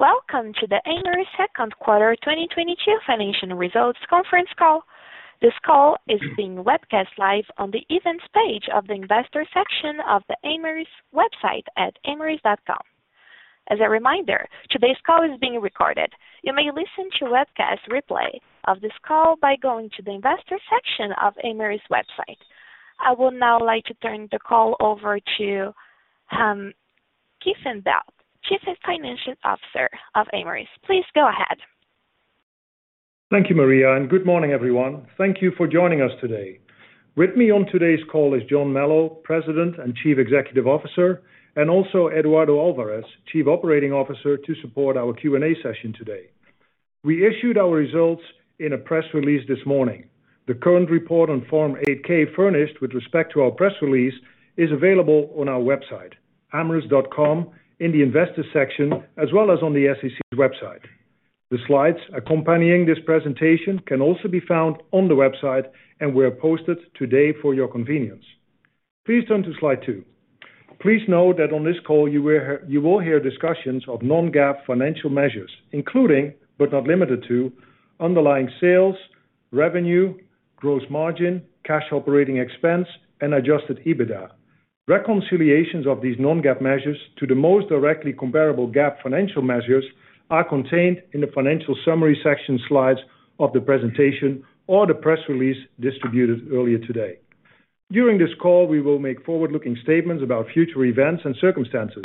Welcome to the Amyris second quarter 2022 financial results conference call. This call is being webcast live on the Events page of the Investor section of the Amyris website at amyris.com. As a reminder, today's call is being recorded. You may listen to webcast replay of this call by going to the Investor section of Amyris website. I would now like to turn the call over to Han Kieftenbeld, Chief Financial Officer of Amyris. Please go ahead. Thank you, Maria, and good morning, everyone. Thank you for joining us today. With me on today's call is John Melo, President and Chief Executive Officer, and also Eduardo Alvarez, Chief Operating Officer, to support our Q&A session today. We issued our results in a press release this morning. The current report on Form 8-K furnished with respect to our press release is available on our website, Amyris.com, in the Investor section, as well as on the SEC's website. The slides accompanying this presentation can also be found on the website and were posted today for your convenience. Please turn to slide two. Please note that on this call, you will hear discussions of non-GAAP financial measures, including, but not limited to underlying sales, revenue, gross margin, cash operating expense, and adjusted EBITDA. Reconciliations of these non-GAAP measures to the most directly comparable GAAP financial measures are contained in the financial summary section slides of the presentation or the press release distributed earlier today. During this call, we will make forward-looking statements about future events and circumstances,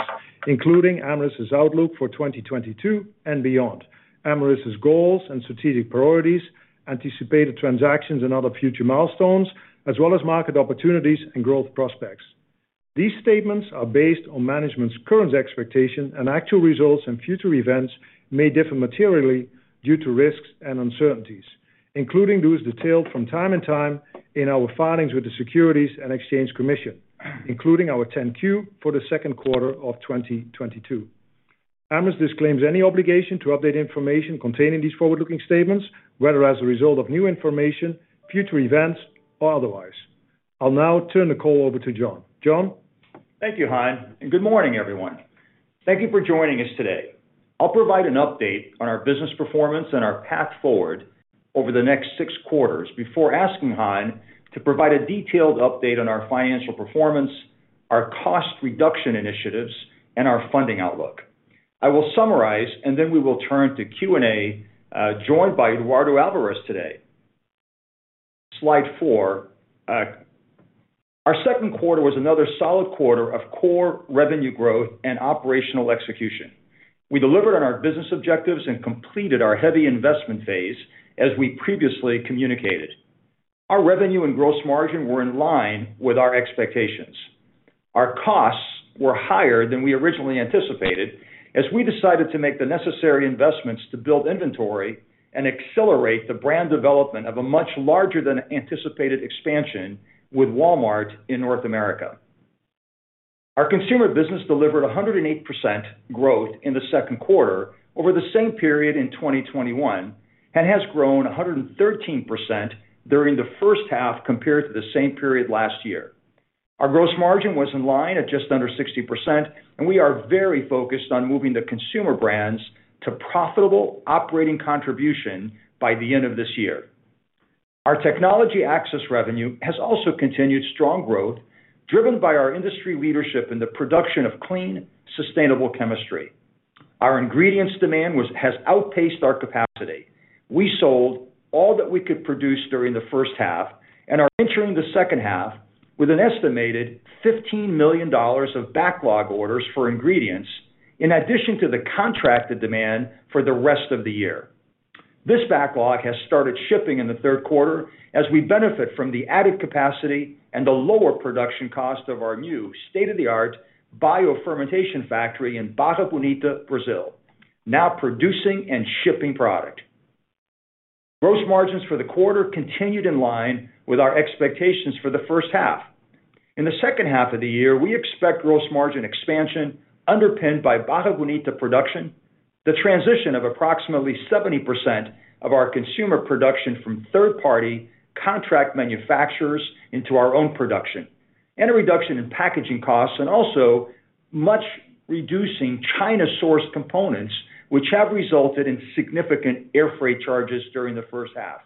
including Amyris' outlook for 2022 and beyond, Amyris' goals and strategic priorities, anticipated transactions and other future milestones, as well as market opportunities and growth prospects. These statements are based on management's current expectation and actual results, and future events may differ materially due to risks and uncertainties, including those detailed from time to time in our filings with the Securities and Exchange Commission, including our 10-Q for the second quarter of 2022. Amyris disclaims any obligation to update information containing these forward-looking statements, whether as a result of new information, future events, or otherwise. I'll now turn the call over to John. John? Thank you, Han, and good morning, everyone. Thank you for joining us today. I'll provide an update on our business performance and our path forward over the next six quarters before asking Han to provide a detailed update on our financial performance, our cost reduction initiatives, and our funding outlook. I will summarize and then we will turn to Q&A, joined by Eduardo Alvarez today. Slide four. Our second quarter was another solid quarter of core revenue growth and operational execution. We delivered on our business objectives and completed our heavy investment phase as we previously communicated. Our revenue and gross margin were in line with our expectations. Our costs were higher than we originally anticipated as we decided to make the necessary investments to build inventory and accelerate the brand development of a much larger than anticipated expansion with Walmart in North America. Our consumer business delivered 108% growth in the second quarter over the same period in 2021, and has grown 113% during the first half compared to the same period last year. Our gross margin was in line at just under 60%, and we are very focused on moving the consumer brands to profitable operating contribution by the end of this year. Our technology access revenue has also continued strong growth, driven by our industry leadership in the production of clean, sustainable chemistry. Our ingredients demand has outpaced our capacity. We sold all that we could produce during the first half and are entering the second half with an estimated $15 million of backlog orders for ingredients in addition to the contracted demand for the rest of the year. This backlog has started shipping in the third quarter as we benefit from the added capacity and the lower production cost of our new state-of-the-art biofermentation factory in Barra Bonita, Brazil, now producing and shipping product. Gross margins for the quarter continued in line with our expectations for the first half. In the second half of the year, we expect gross margin expansion underpinned by Barra Bonita production, the transition of approximately 70% of our consumer production from third-party contract manufacturers into our own production, and a reduction in packaging costs, and also by reducing China-sourced components, which have resulted in significant air freight charges during the first half.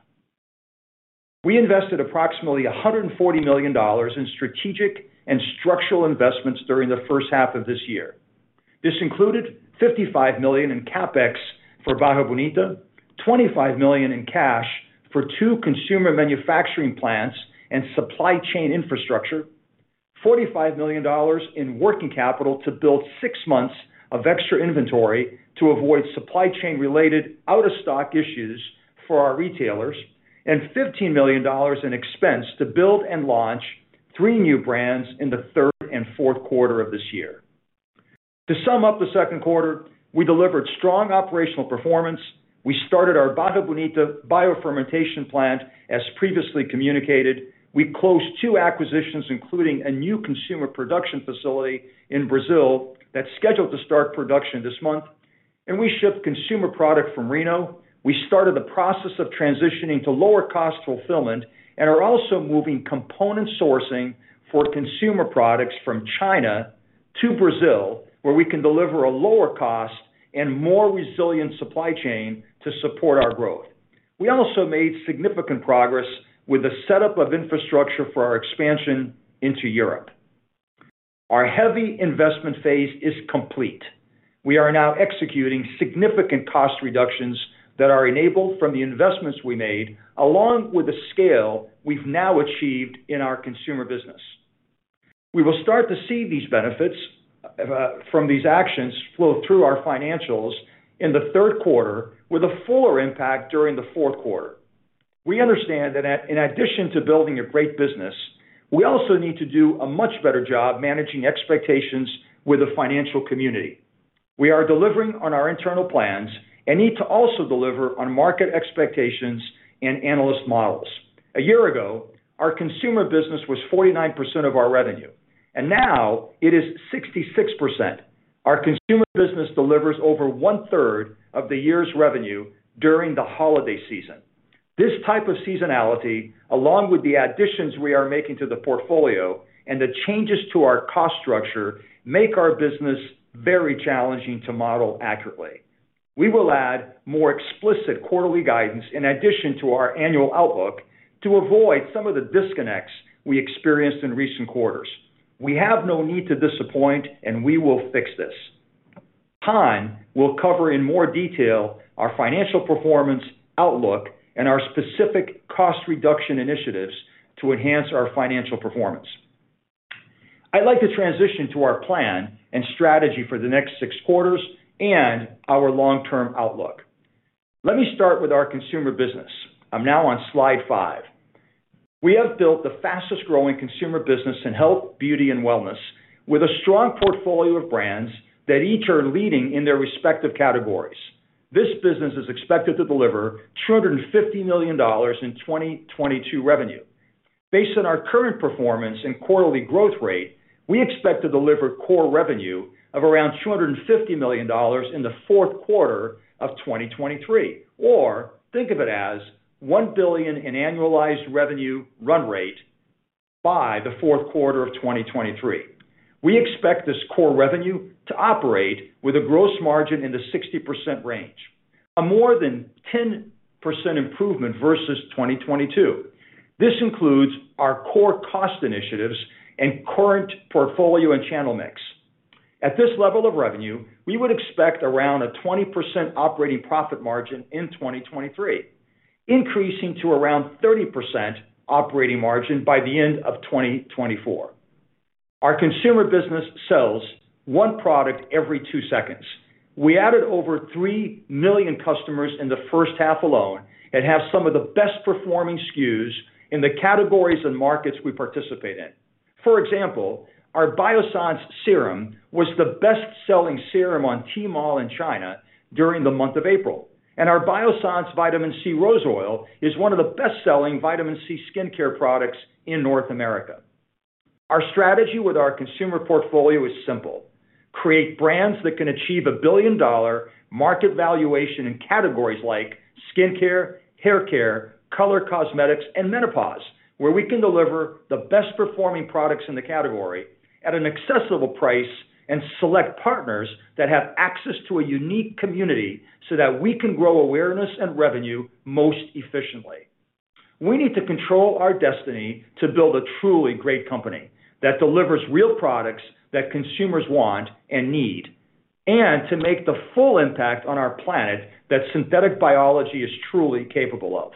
We invested approximately $140 million in strategic and structural investments during the first half of this year. This included $55 million in CapEx for Barra Bonita, $25 million in cash for two consumer manufacturing plants and supply chain infrastructure, $45 million in working capital to build six months of extra inventory to avoid supply chain-related out-of-stock issues for our retailers, and $15 million in expense to build and launch three new brands in the third and fourth quarter of this year. To sum up the second quarter, we delivered strong operational performance. We started our Barra Bonita biofermentation plant, as previously communicated. We closed two acquisitions, including a new consumer production facility in Brazil that's scheduled to start production this month. We shipped consumer product from Reno. We started the process of transitioning to lower cost fulfillment and are also moving component sourcing for consumer products from China to Brazil, where we can deliver a lower cost and more resilient supply chain to support our growth. We also made significant progress with the setup of infrastructure for our expansion into Europe. Our heavy investment phase is complete. We are now executing significant cost reductions that are enabled from the investments we made, along with the scale we've now achieved in our consumer business. We will start to see these benefits from these actions flow through our financials in the third quarter, with a fuller impact during the fourth quarter. We understand that in addition to building a great business, we also need to do a much better job managing expectations with the financial community. We are delivering on our internal plans and need to also deliver on market expectations and analyst models. A year ago, our consumer business was 49% of our revenue, and now it is 66%. Our consumer business delivers over 1/3 of the year's revenue during the holiday season. This type of seasonality, along with the additions we are making to the portfolio and the changes to our cost structure, make our business very challenging to model accurately. We will add more explicit quarterly guidance in addition to our annual outlook to avoid some of the disconnects we experienced in recent quarters. We have no need to disappoint, and we will fix this. Han will cover in more detail our financial performance outlook and our specific cost reduction initiatives to enhance our financial performance. I'd like to transition to our plan and strategy for the next six quarters and our long-term outlook. Let me start with our consumer business. I'm now on slide five. We have built the fastest-growing consumer business in health, beauty, and wellness with a strong portfolio of brands that each are leading in their respective categories. This business is expected to deliver $250 million in 2022 revenue. Based on our current performance and quarterly growth rate, we expect to deliver core revenue of around $250 million in the fourth quarter of 2023. Or think of it as $1 billion in annualized revenue run rate by the fourth quarter of 2023. We expect this core revenue to operate with a gross margin in the 60% range, a more than 10% improvement versus 2022. This includes our core cost initiatives and current portfolio and channel mix. At this level of revenue, we would expect around a 20% operating profit margin in 2023, increasing to around 30% operating margin by the end of 2024. Our consumer business sells one product every two seconds. We added over 3 million customers in the first half alone and have some of the best-performing SKUs in the categories and markets we participate in. For example, our Biossance serum was the best-selling serum on Tmall in China during the month of April, and our Biossance Vitamin C Rose Oil is one of the best-selling Vitamin C skincare products in North America. Our strategy with our consumer portfolio is simple, create brands that can achieve a billion-dollar market valuation in categories like skincare, haircare, color cosmetics, and menopause, where we can deliver the best-performing products in the category at an accessible price and select partners that have access to a unique community so that we can grow awareness and revenue most efficiently. We need to control our destiny to build a truly great company that delivers real products that consumers want and need, and to make the full impact on our planet that synthetic biology is truly capable of.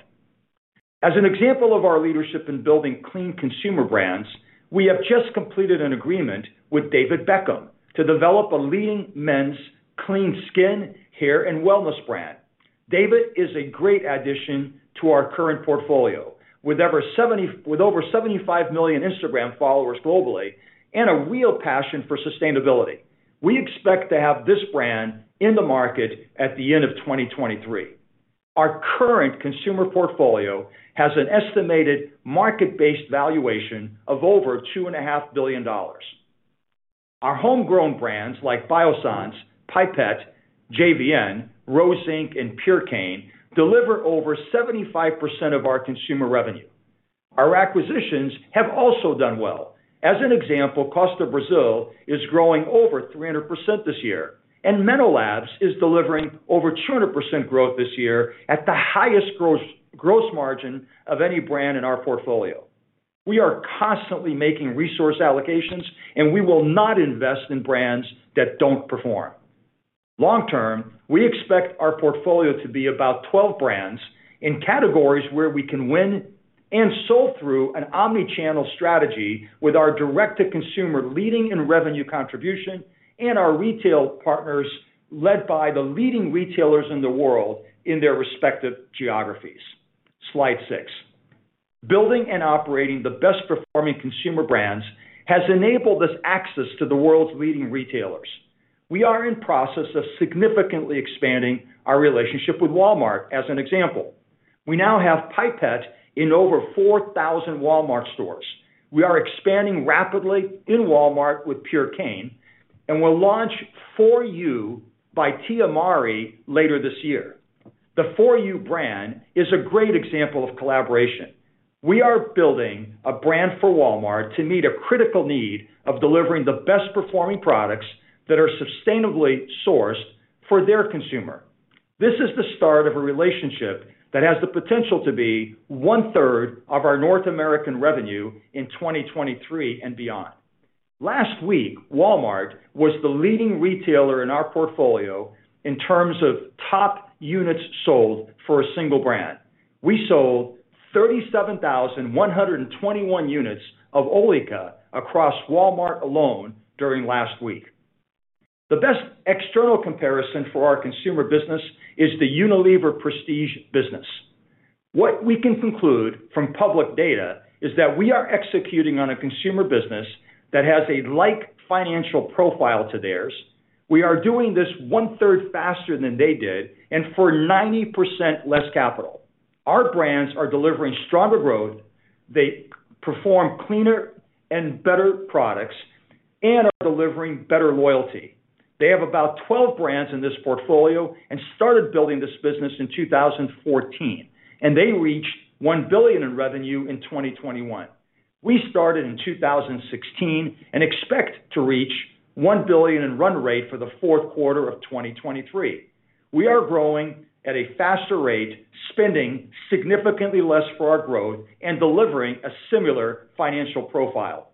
As an example of our leadership in building clean consumer brands, we have just completed an agreement with David Beckham to develop a leading men's clean skin, hair, and wellness brand. David is a great addition to our current portfolio. With over 75 million Instagram followers globally and a real passion for sustainability, we expect to have this brand in the market at the end of 2023. Our current consumer portfolio has an estimated market-based valuation of over $2.5 billion. Our homegrown brands like Biossance, Pipette, JVN, Rose Inc, and Purecane deliver over 75% of our consumer revenue. Our acquisitions have also done well. As an example, Costa Brazil is growing over 300% this year, and MenoLabs is delivering over 200% growth this year at the highest gross margin of any brand in our portfolio. We are constantly making resource allocations, and we will not invest in brands that don't perform. Long-term, we expect our portfolio to be about 12 brands in categories where we can win and sold through an omni-channel strategy with our direct-to-consumer leading in revenue contribution and our retail partners, led by the leading retailers in the world in their respective geographies. Slide six. Building and operating the best-performing consumer brands has enabled us access to the world's leading retailers. We are in process of significantly expanding our relationship with Walmart as an example. We now have Pipette in over 4,000 Walmart stores. We are expanding rapidly in Walmart with Purecane and will launch 4U by Tia Mowry later this year. The 4U brand is a great example of collaboration. We are building a brand for Walmart to meet a critical need of delivering the best performing products that are sustainably sourced for their consumer. This is the start of a relationship that has the potential to be 1/3 of our North American revenue in 2023 and beyond. Last week, Walmart was the leading retailer in our portfolio in terms of top units sold for a single brand. We sold 37,121 units of Olika across Walmart alone during last week. The best external comparison for our consumer business is the Unilever prestige business. What we can conclude from public data is that we are executing on a consumer business that has a like financial profile to theirs. We are doing this 1/3 faster than they did and for 90% less capital. Our brands are delivering stronger growth. They perform cleaner and better products and are delivering better loyalty. They have about 12 brands in this portfolio and started building this business in 2014, and they reached $1 billion in revenue in 2021. We started in 2016 and expect to reach $1 billion in run rate for the fourth quarter of 2023. We are growing at a faster rate, spending significantly less for our growth and delivering a similar financial profile.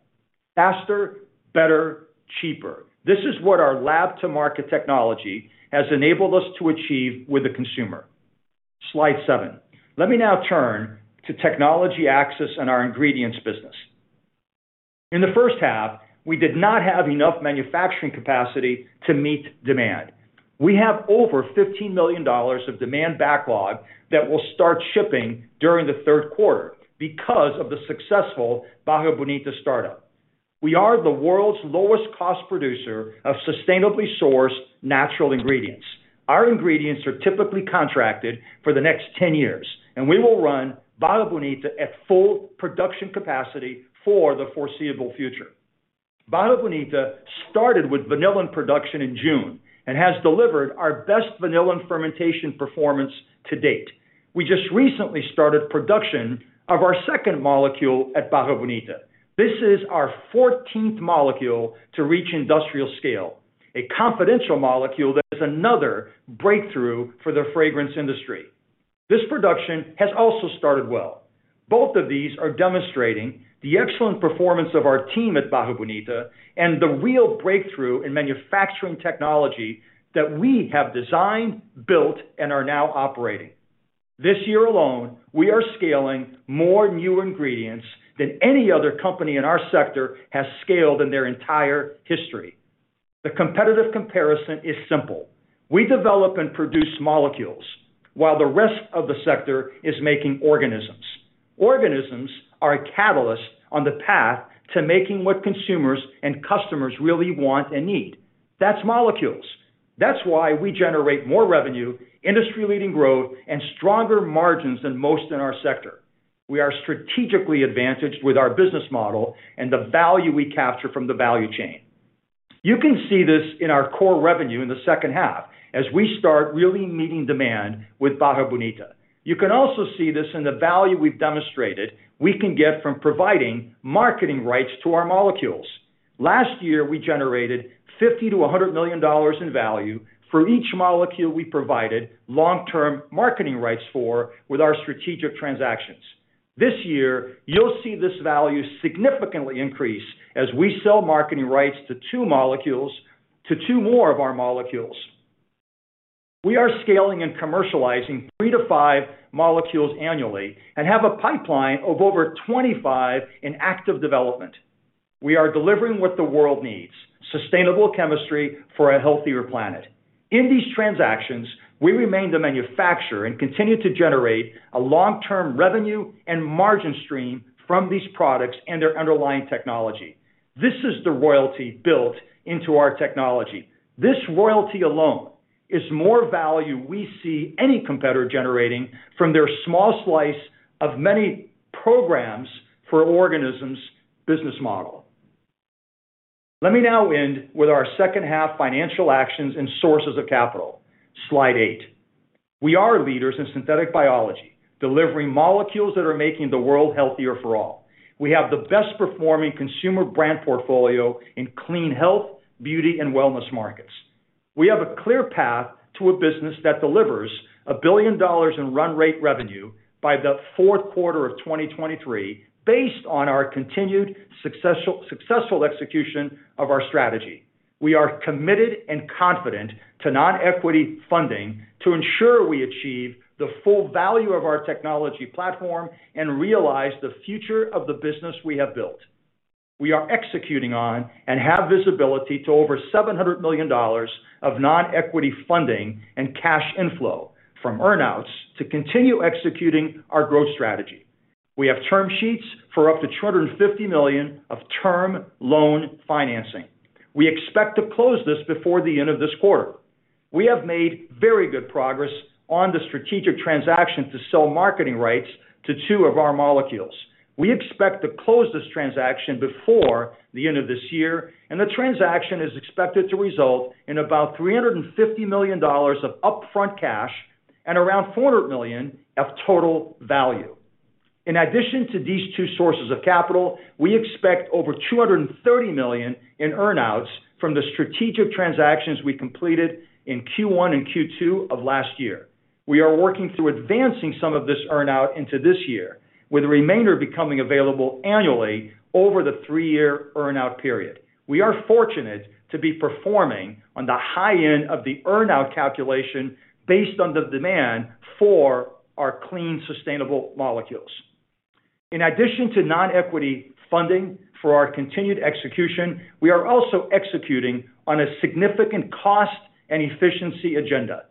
Faster, better, cheaper. This is what our Lab-to-Market technology has enabled us to achieve with the consumer. Slide seven. Let me now turn to technology access and our ingredients business. In the first half, we did not have enough manufacturing capacity to meet demand. We have over $15 million of demand backlog that will start shipping during the third quarter because of the successful Barra Bonita startup. We are the world's lowest cost producer of sustainably sourced natural ingredients. Our ingredients are typically contracted for the next 10 years, and we will run Barra Bonita at full production capacity for the foreseeable future. Barra Bonita started with vanillin production in June and has delivered our best vanillin fermentation performance to date. We just recently started production of our second molecule at Barra Bonita. This is our fourteenth molecule to reach industrial scale, a confidential molecule that is another breakthrough for the fragrance industry. This production has also started well. Both of these are demonstrating the excellent performance of our team at Barra Bonita and the real breakthrough in manufacturing technology that we have designed, built, and are now operating. This year alone, we are scaling more new ingredients than any other company in our sector has scaled in their entire history. The competitive comparison is simple. We develop and produce molecules while the rest of the sector is making organisms. Organisms are a catalyst on the path to making what consumers and customers really want and need. That's molecules. That's why we generate more revenue, industry-leading growth, and stronger margins than most in our sector. We are strategically advantaged with our business model and the value we capture from the value chain. You can see this in our core revenue in the second half as we start really meeting demand with Barra Bonita. You can also see this in the value we've demonstrated we can get from providing marketing rights to our molecules. Last year, we generated $50 million-$100 million in value for each molecule we provided long-term marketing rights for with our strategic transactions. This year, you'll see this value significantly increase as we sell marketing rights to two more of our molecules. We are scaling and commercializing 3-5 molecules annually and have a pipeline of over 25 in active development. We are delivering what the world needs, sustainable chemistry for a healthier planet. In these transactions, we remain the manufacturer and continue to generate a long-term revenue and margin stream from these products and their underlying technology. This is the royalty built into our technology. This royalty alone is more value we see any competitor generating from their small slice of many programs for organisms business model. Let me now end with our second half financial actions and sources of capital. Slide eight. We are leaders in synthetic biology, delivering molecules that are making the world healthier for all. We have the best performing consumer brand portfolio in clean health, beauty, and wellness markets. We have a clear path to a business that delivers $1 billion in run rate revenue by the fourth quarter of 2023 based on our continued successful execution of our strategy. We are committed and confident to non-equity funding to ensure we achieve the full value of our technology platform and realize the future of the business we have built. We are executing on and have visibility to over $700 million of non-equity funding and cash inflow from earn-outs to continue executing our growth strategy. We have term sheets for up to $250 million of term loan financing. We expect to close this before the end of this quarter. We have made very good progress on the strategic transaction to sell marketing rights to two of our molecules. We expect to close this transaction before the end of this year, and the transaction is expected to result in about $350 million of upfront cash and around $400 million of total value. In addition to these two sources of capital, we expect over $230 million in earn-outs from the strategic transactions we completed in Q1 and Q2 of last year. We are working through advancing some of this earn-out into this year, with the remainder becoming available annually over the three-year earn-out period. We are fortunate to be performing on the high end of the earn-out calculation based on the demand for our clean, sustainable molecules. In addition to nonequity funding for our continued execution, we are also executing on a significant cost and efficiency agenda.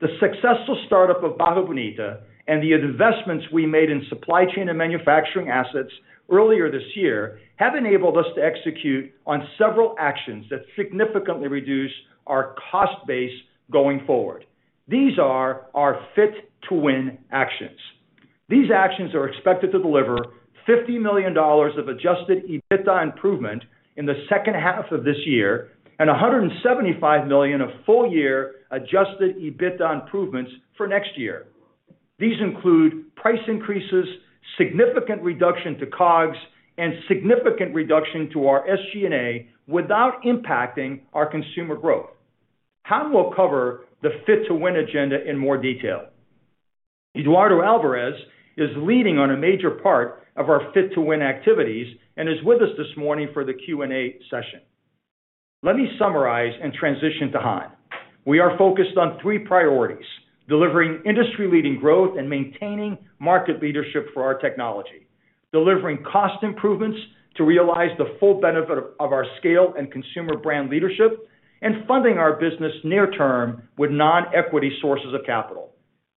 The successful startup of Barra Bonita and the investments we made in supply chain and manufacturing assets earlier this year have enabled us to execute on several actions that significantly reduce our cost base going forward. These are our Fit to Win actions. These actions are expected to deliver $50 million of adjusted EBITDA improvement in the second half of this year, and $175 million of full year adjusted EBITDA improvements for next year. These include price increases, significant reduction to COGS, and significant reduction to our SG&A without impacting our consumer growth. Han will cover the Fit to Win agenda in more detail. Eduardo Alvarez is leading on a major part of our Fit to Win activities and is with us this morning for the Q&A session. Let me summarize and transition to Han. We are focused on three priorities, delivering industry-leading growth and maintaining market leadership for our technology, delivering cost improvements to realize the full benefit of our scale and consumer brand leadership, and funding our business near-term with nonequity sources of capital.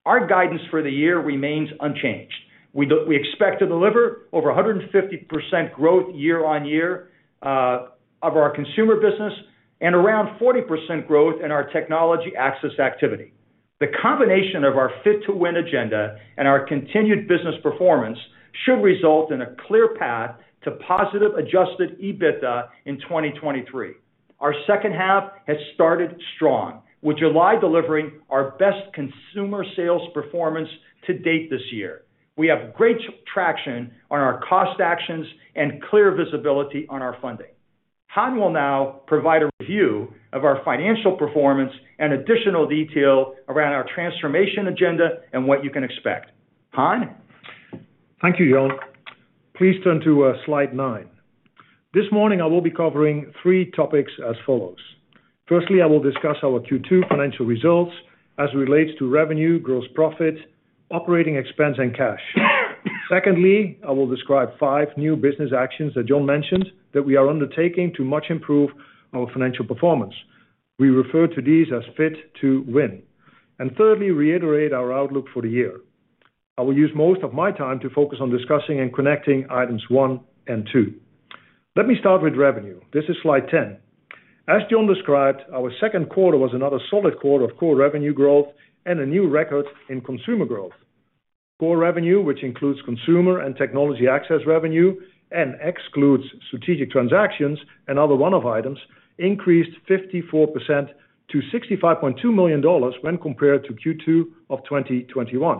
Our guidance for the year remains unchanged. We expect to deliver over 150% growth year-on-year of our consumer business and around 40% growth in our technology access activity. The combination of our Fit to Win agenda and our continued business performance should result in a clear path to positive adjusted EBITDA in 2023. Our second half has started strong, with July delivering our best consumer sales performance to date this year. We have great traction on our cost actions and clear visibility on our funding. Han will now provide a review of our financial performance and additional detail around our transformation agenda and what you can expect. Han? Thank you, John. Please turn to slide nine. This morning, I will be covering three topics as follows. Firstly, I will discuss our Q2 financial results as it relates to revenue, gross profit, operating expense, and cash. Secondly, I will describe five new business actions that John mentioned that we are undertaking to much improve our financial performance. We refer to these as Fit to Win. Thirdly, reiterate our outlook for the year. I will use most of my time to focus on discussing and connecting items one and two. Let me start with revenue. This is slide 10. As John described, our second quarter was another solid quarter of core revenue growth and a new record in consumer growth. Core revenue, which includes consumer and technology access revenue and excludes strategic transactions and other one-off items, increased 54% to $65.2 million when compared to Q2 of 2021.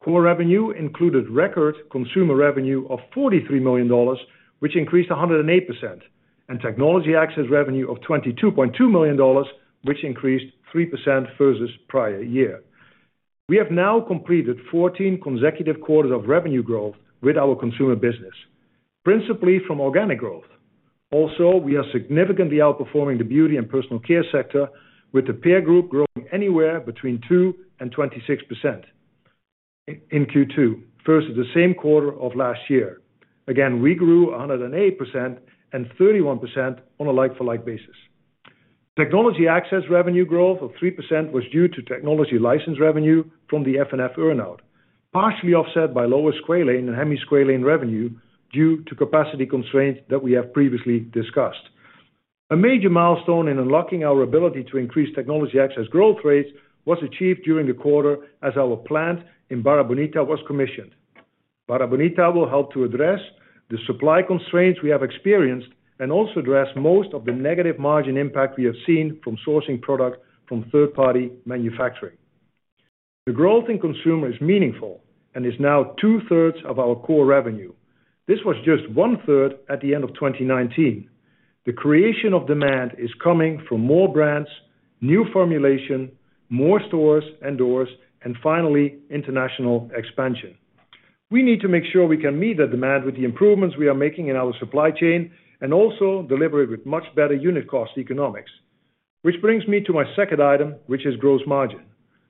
Core revenue included record consumer revenue of $43 million, which increased 108%, and technology access revenue of $22.2 million, which increased 3% versus prior year. We have now completed 14 consecutive quarters of revenue growth with our consumer business, principally from organic growth. Also, we are significantly outperforming the beauty and personal care sector, with the peer group growing anywhere between 2% and 26% in Q2 versus the same quarter of last year. Again, we grew 108% and 31% on a like-for-like basis. Technology access revenue growth of 3% was due to technology license revenue from the DSM earn-out, partially offset by lower Squalane and Hemisqualane revenue due to capacity constraints that we have previously discussed. A major milestone in unlocking our ability to increase technology access growth rates was achieved during the quarter as our plant in Barra Bonita was commissioned. Barra Bonita will help to address the supply constraints we have experienced and also address most of the negative margin impact we have seen from sourcing product from third-party manufacturing. The growth in consumer is meaningful and is now 2/3 of our core revenue. This was just 1/3 at the end of 2019. The creation of demand is coming from more brands, new formulation, more stores and doors, and finally, international expansion. We need to make sure we can meet that demand with the improvements we are making in our supply chain and also deliver it with much better unit cost economics. Which brings me to my second item, which is gross margin.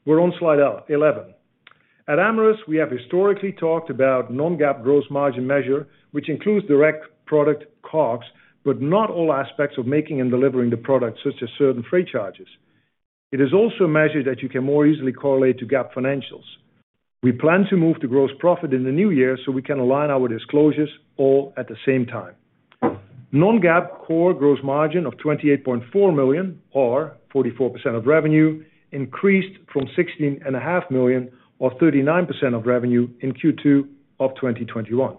We're on slide 11. At Amyris, we have historically talked about non-GAAP gross margin measure, which includes direct product COGS, but not all aspects of making and delivering the product, such as certain freight charges. It is also a measure that you can more easily correlate to GAAP financials. We plan to move to gross profit in the new year, so we can align our disclosures all at the same time. Non-GAAP core gross margin of $28.4 million, or 44% of revenue, increased from $16.5 million or 39% of revenue in Q2 of 2021.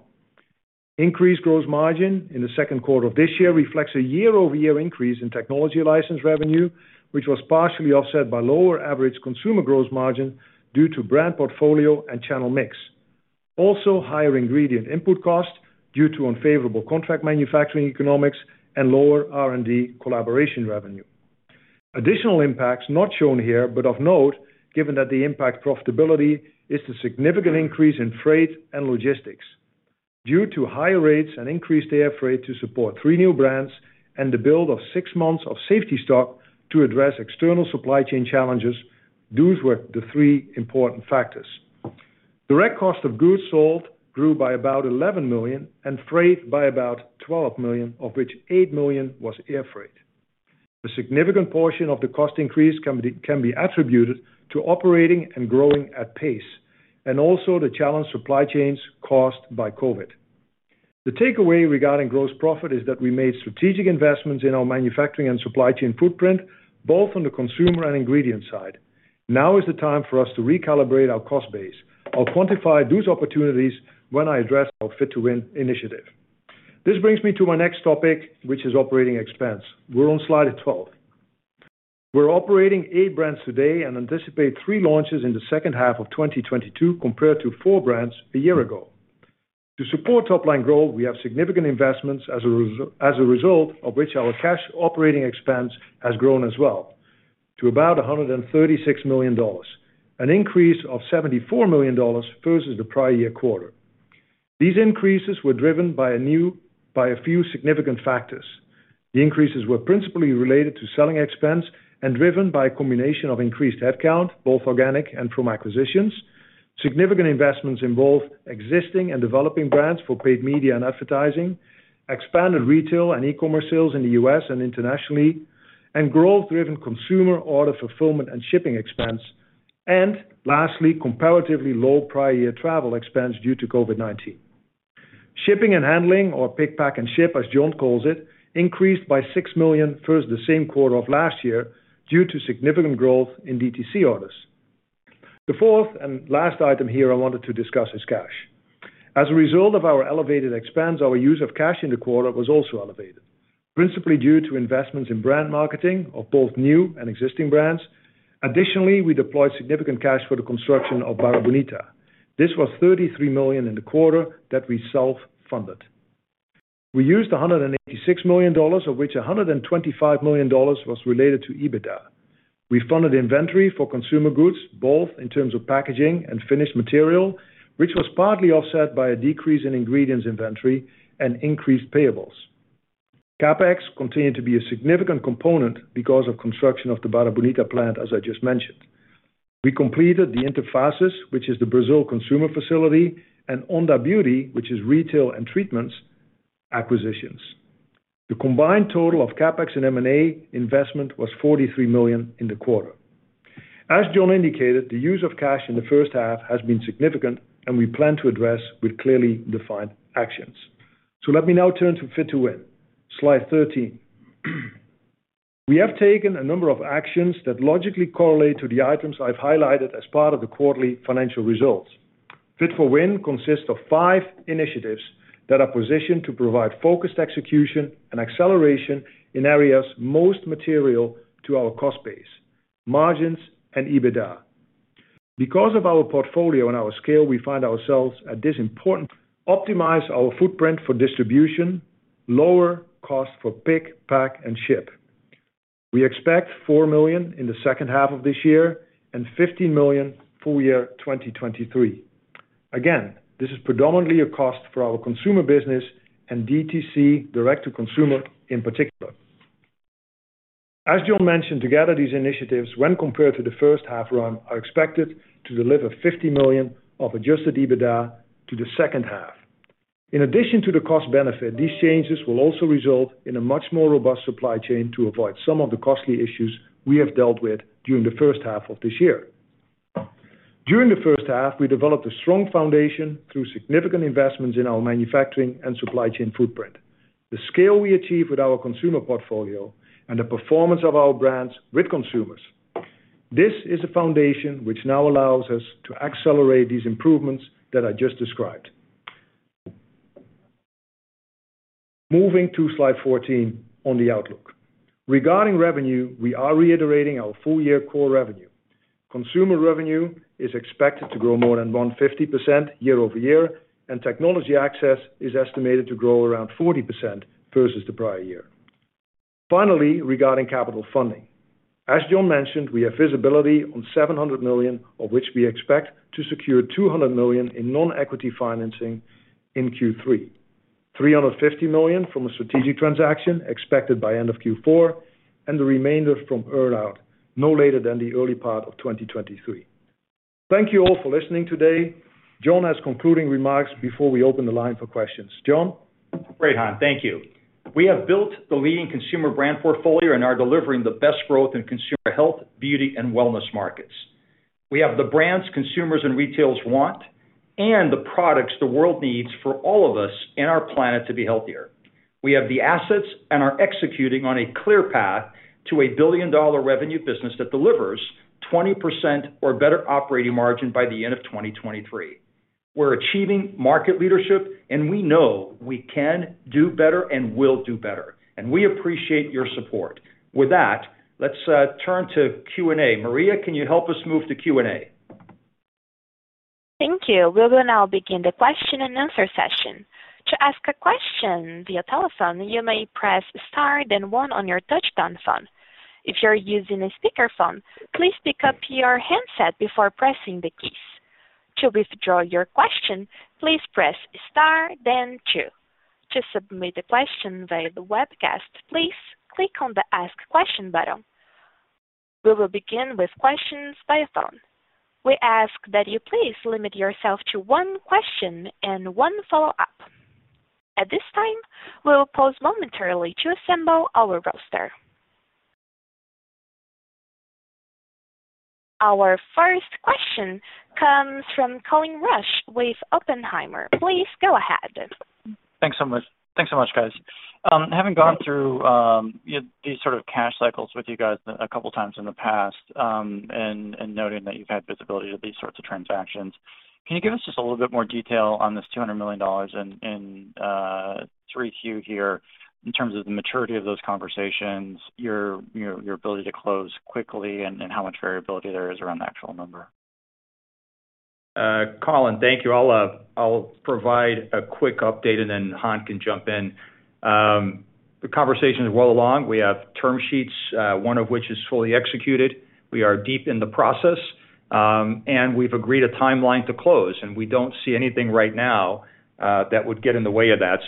Increased gross margin in the second quarter of this year reflects a year-over-year increase in technology license revenue, which was partially offset by lower average consumer gross margin due to brand portfolio and channel mix. Also higher ingredient input costs due to unfavorable contract manufacturing economics and lower R&D collaboration revenue. Additional impacts not shown here but of note, given that they impact profitability, is the significant increase in freight and logistics due to higher rates and increased air freight to support three new brands and the build of six months of safety stock to address external supply chain challenges. Those were the three important factors. Direct cost of goods sold grew by about $11 million and freight by about $12 million, of which $8 million was air freight. A significant portion of the cost increase can be attributed to operating and growing at pace, and also the challenged supply chains caused by COVID. The takeaway regarding gross profit is that we made strategic investments in our manufacturing and supply chain footprint, both on the consumer and ingredient side. Now is the time for us to recalibrate our cost base. I'll quantify those opportunities when I address our Fit to Win initiative. This brings me to my next topic, which is operating expense. We're on slide 12. We're operating eight brands today and anticipate three launches in the second half of 2022 compared to four brands a year ago. To support top line growth, we have significant investments as a result of which our cash operating expense has grown as well to about $136 million, an increase of $74 million versus the prior year quarter. These increases were driven by a few significant factors. The increases were principally related to selling expense and driven by a combination of increased headcount, both organic and from acquisitions. Significant investments involve existing and developing brands for paid media and advertising, expanded retail and e-commerce sales in the U.S. and internationally, and growth-driven consumer order fulfillment and shipping expense, and lastly, comparatively low prior year travel expense due to COVID-19. Shipping and handling or pick, pack, and ship, as John calls it, increased by $6 million versus the same quarter of last year due to significant growth in DTC orders. The fourth and last item here I wanted to discuss is cash. As a result of our elevated expense, our use of cash in the quarter was also elevated, principally due to investments in brand marketing of both new and existing brands. Additionally, we deployed significant cash for the construction of Barra Bonita. This was $33 million in the quarter that we self-funded. We used $186 million, of which $125 million was related to EBITDA. We funded inventory for consumer goods, both in terms of packaging and finished material, which was partly offset by a decrease in ingredients inventory and increased payables. CapEx continued to be a significant component because of construction of the Barra Bonita plant, as I just mentioned. We completed the Interfaces, which is the Brazil consumer facility, and ONDA Beauty, which is retail and treatments acquisitions. The combined total of CapEx and M&A investment was $43 million in the quarter. As John indicated, the use of cash in the first half has been significant, and we plan to address with clearly defined actions. Let me now turn to Fit to Win. Slide 13. We have taken a number of actions that logically correlate to the items I've highlighted as part of the quarterly financial results. Fit to Win consists of five initiatives that are positioned to provide focused execution and acceleration in areas most material to our cost base, margins, and EBITDA. Because of our portfolio and our scale, Optimize our footprint for distribution, lower cost for pick, pack, and ship. We expect $4 million in the second half of this year and $15 million full year 2023. Again, this is predominantly a cost for our consumer business and DTC, direct to consumer, in particular. As John mentioned, together, these initiatives, when compared to the first half run, are expected to deliver $50 million of adjusted EBITDA to the second half. In addition to the cost benefit, these changes will also result in a much more robust supply chain to avoid some of the costly issues we have dealt with during the first half of this year. During the first half, we developed a strong foundation through significant investments in our manufacturing and supply chain footprint, the scale we achieve with our consumer portfolio, and the performance of our brands with consumers. This is a foundation which now allows us to accelerate these improvements that I just described. Moving to slide 14 on the outlook. Regarding revenue, we are reiterating our full year core revenue. Consumer revenue is expected to grow more than 150% year-over-year, and technology access is estimated to grow around 40% versus the prior year. Finally, regarding capital funding. As John mentioned, we have visibility on $700 million, of which we expect to secure $200 million in non-equity financing in Q3, $350 million from a strategic transaction expected by end of Q4, and the remainder from earn out no later than the early part of 2023. Thank you all for listening today. John has concluding remarks before we open the line for questions. John? Great, Han. Thank you. We have built the leading consumer brand portfolio and are delivering the best growth in consumer health, beauty, and wellness markets. We have the brands consumers and retailers want and the products the world needs for all of us and our planet to be healthier. We have the assets and are executing on a clear path to a billion-dollar revenue business that delivers 20% or better operating margin by the end of 2023. We're achieving market leadership, and we know we can do better and will do better, and we appreciate your support. With that, let's turn to Q&A. Maria, can you help us move to Q&A? Thank you. We will now begin the question-and-answer session. To ask a question via telephone, you may press star then one on your touchtone phone. If you're using a speaker phone, please pick up your handset before pressing the keys. To withdraw your question, please press star then two. To submit a question via the webcast, please click on the Ask Question button. We will begin with questions via phone. We ask that you please limit yourself to one question and one follow-up. At this time, we'll pause momentarily to assemble our roster. Our first question comes from Colin Rusch with Oppenheimer. Please go ahead. Thanks so much. Thanks so much, guys. Having gone through these sort of cash cycles with you guys a couple times in the past, and noting that you've had visibility to these sorts of transactions, can you give us just a little bit more detail on this $200 million in 3Q here in terms of the maturity of those conversations, your ability to close quickly and how much variability there is around the actual number? Colin, thank you. I'll provide a quick update, and then Han can jump in. The conversation is well along. We have term sheets, one of which is fully executed. We are deep in the process, and we've agreed a timeline to close, and we don't see anything right now that would get in the way of that.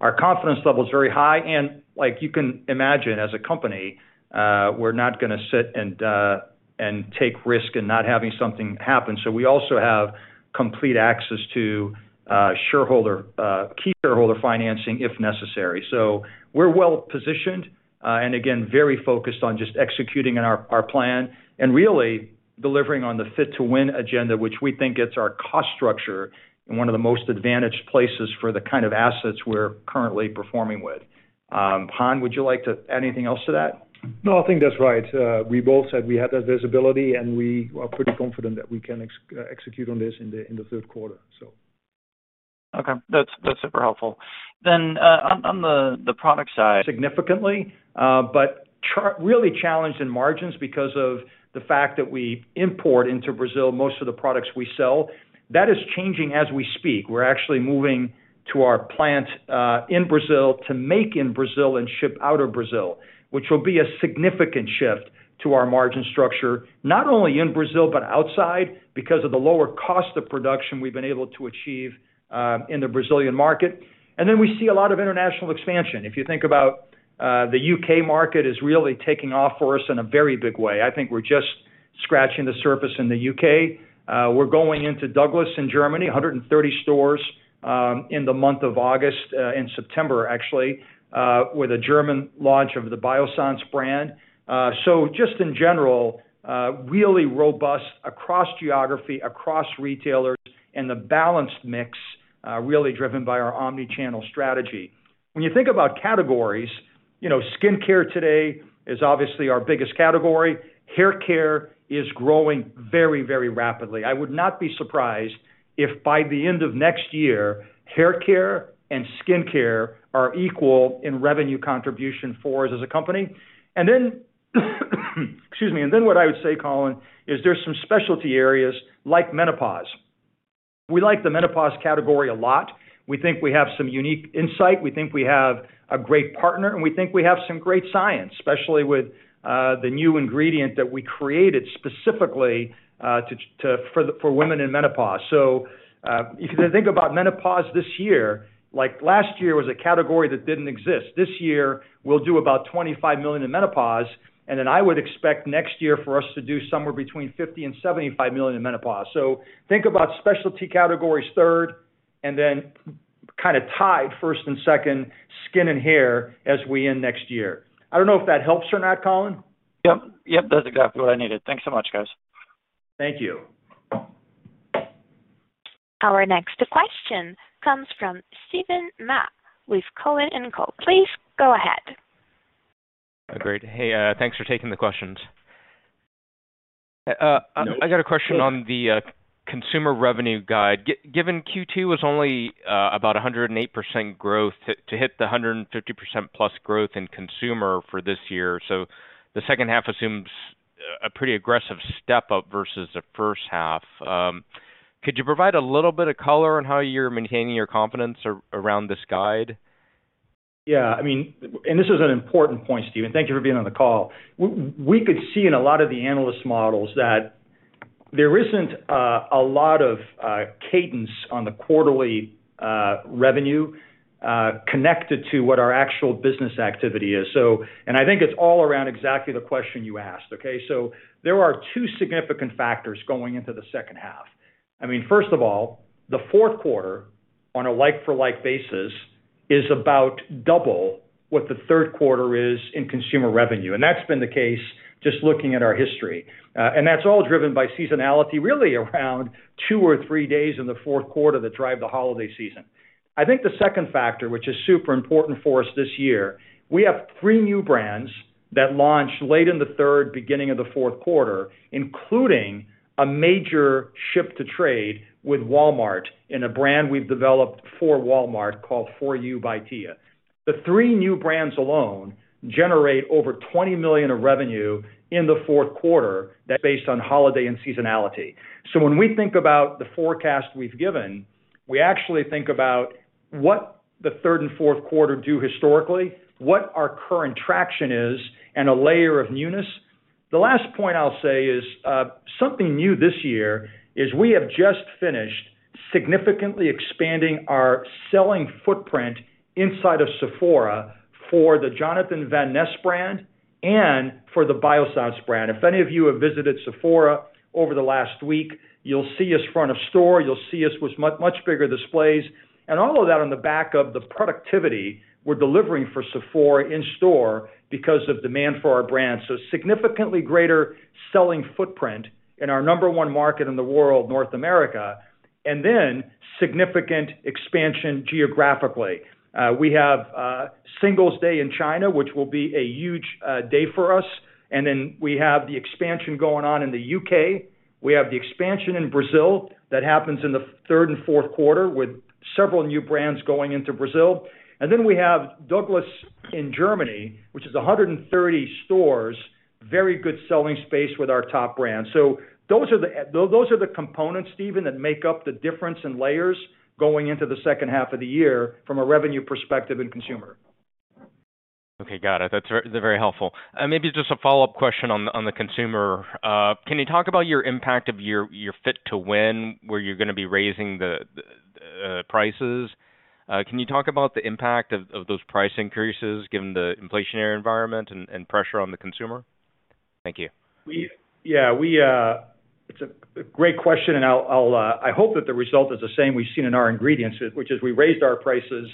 Our confidence level is very high, and like you can imagine, as a company, we're not gonna sit and take risk in not having something happen. We also have complete access to shareholder key shareholder financing if necessary. We're well-positioned, and again, very focused on just executing in our plan and really delivering on the Fit to Win agenda, which we think it's our cost structure and one of the most advantaged places for the kind of assets we're currently performing with. Han, would you like to add anything else to that? No, I think that's right. We both said we have the visibility, and we are pretty confident that we can execute on this in the third quarter. So. Okay. That's super helpful. On the product side. Significantly, really challenged in margins because of the fact that we import into Brazil most of the products we sell. That is changing as we speak. We're actually moving to our plant in Brazil to make in Brazil and ship out of Brazil, which will be a significant shift to our margin structure, not only in Brazil, but outside because of the lower cost of production we've been able to achieve in the Brazilian market. We see a lot of international expansion. If you think about the U.K. market is really taking off for us in a very big way. I think we're just scratching the surface in the U.K. We're going into Douglas in Germany, 130 stores in the month of August in September, actually, with a German launch of the Biossance brand. Just in general, really robust across geography, across retailers and the balanced mix, really driven by our omni-channel strategy. When you think about categories, you know, skincare today is obviously our biggest category. Haircare is growing very, very rapidly. I would not be surprised if by the end of next year, haircare and skincare are equal in revenue contribution for us as a company. Then what I would say, Colin, is there's some specialty areas like menopause. We like the menopause category a lot. We think we have some unique insight, we think we have a great partner, and we think we have some great science, especially with the new ingredient that we created specifically for women in menopause. If you think about menopause this year, like last year was a category that didn't exist. This year, we'll do about $25 million in menopause, and then I would expect next year for us to do somewhere between $50 million and $75 million in menopause. Think about specialty categories third, and then kinda tied first and second, skin and hair as we end next year. I don't know if that helps or not, Colin. Yep. Yep, that's exactly what I needed. Thanks so much, guys. Thank you. Our next question comes from Steven Mah with Cowen & Co. Please go ahead. Great. Hey, thanks for taking the questions. I got a question on the consumer revenue guide. Given Q2 was only about 108% growth, to hit the 150%+ growth in consumer for this year, so the second half assumes a pretty aggressive step-up versus the first half. Could you provide a little bit of color on how you're maintaining your confidence around this guide? Yeah, I mean this is an important point, Steven. Thank you for being on the call. We could see in a lot of the analyst models that there isn't a lot of cadence on the quarterly revenue connected to what our actual business activity is. I think it's all around exactly the question you asked, okay? There are two significant factors going into the second half. I mean, first of all, the fourth quarter on a like-for-like basis is about double what the third quarter is in consumer revenue, and that's been the case just looking at our history. That's all driven by seasonality, really around two or three days in the fourth quarter that drive the holiday season. I think the second factor, which is super important for us this year, we have three new brands that launched late in the third, beginning of the fourth quarter, including a major ship-to-trade with Walmart in a brand we've developed for Walmart called 4U by Tia. The three new brands alone generate over $20 million of revenue in the fourth quarter, that's based on holiday and seasonality. When we think about the forecast we've given, we actually think about what the third and fourth quarter do historically, what our current traction is, and a layer of newness. The last point I'll say is, something new this year is we have just finished significantly expanding our selling footprint inside of Sephora for the Jonathan Van Ness brand and for the Biossance brand. If any of you have visited Sephora over the last week, you'll see us front of store, you'll see us with much bigger displays. All of that on the back of the productivity we're delivering for Sephora in-store because of demand for our brands. Significantly greater selling footprint in our number one market in the world, North America, and then significant expansion geographically. We have Singles' Day in China, which will be a huge day for us. We have the expansion going on in the U.K. We have the expansion in Brazil that happens in the third and fourth quarter with several new brands going into Brazil. We have Douglas in Germany, which is 130 stores, very good selling space with our top brands. Those are the components, Steven, that make up the difference in layers going into the second half of the year from a revenue perspective in consumer. Okay. Got it. That's very, very helpful. Maybe just a follow-up question on the consumer. Can you talk about your impact of your Fit to Win, where you're gonna be raising the prices? Can you talk about the impact of those price increases given the inflationary environment and pressure on the consumer? Thank you. It's a great question, and I hope that the result is the same we've seen in our ingredients, which is we raised our prices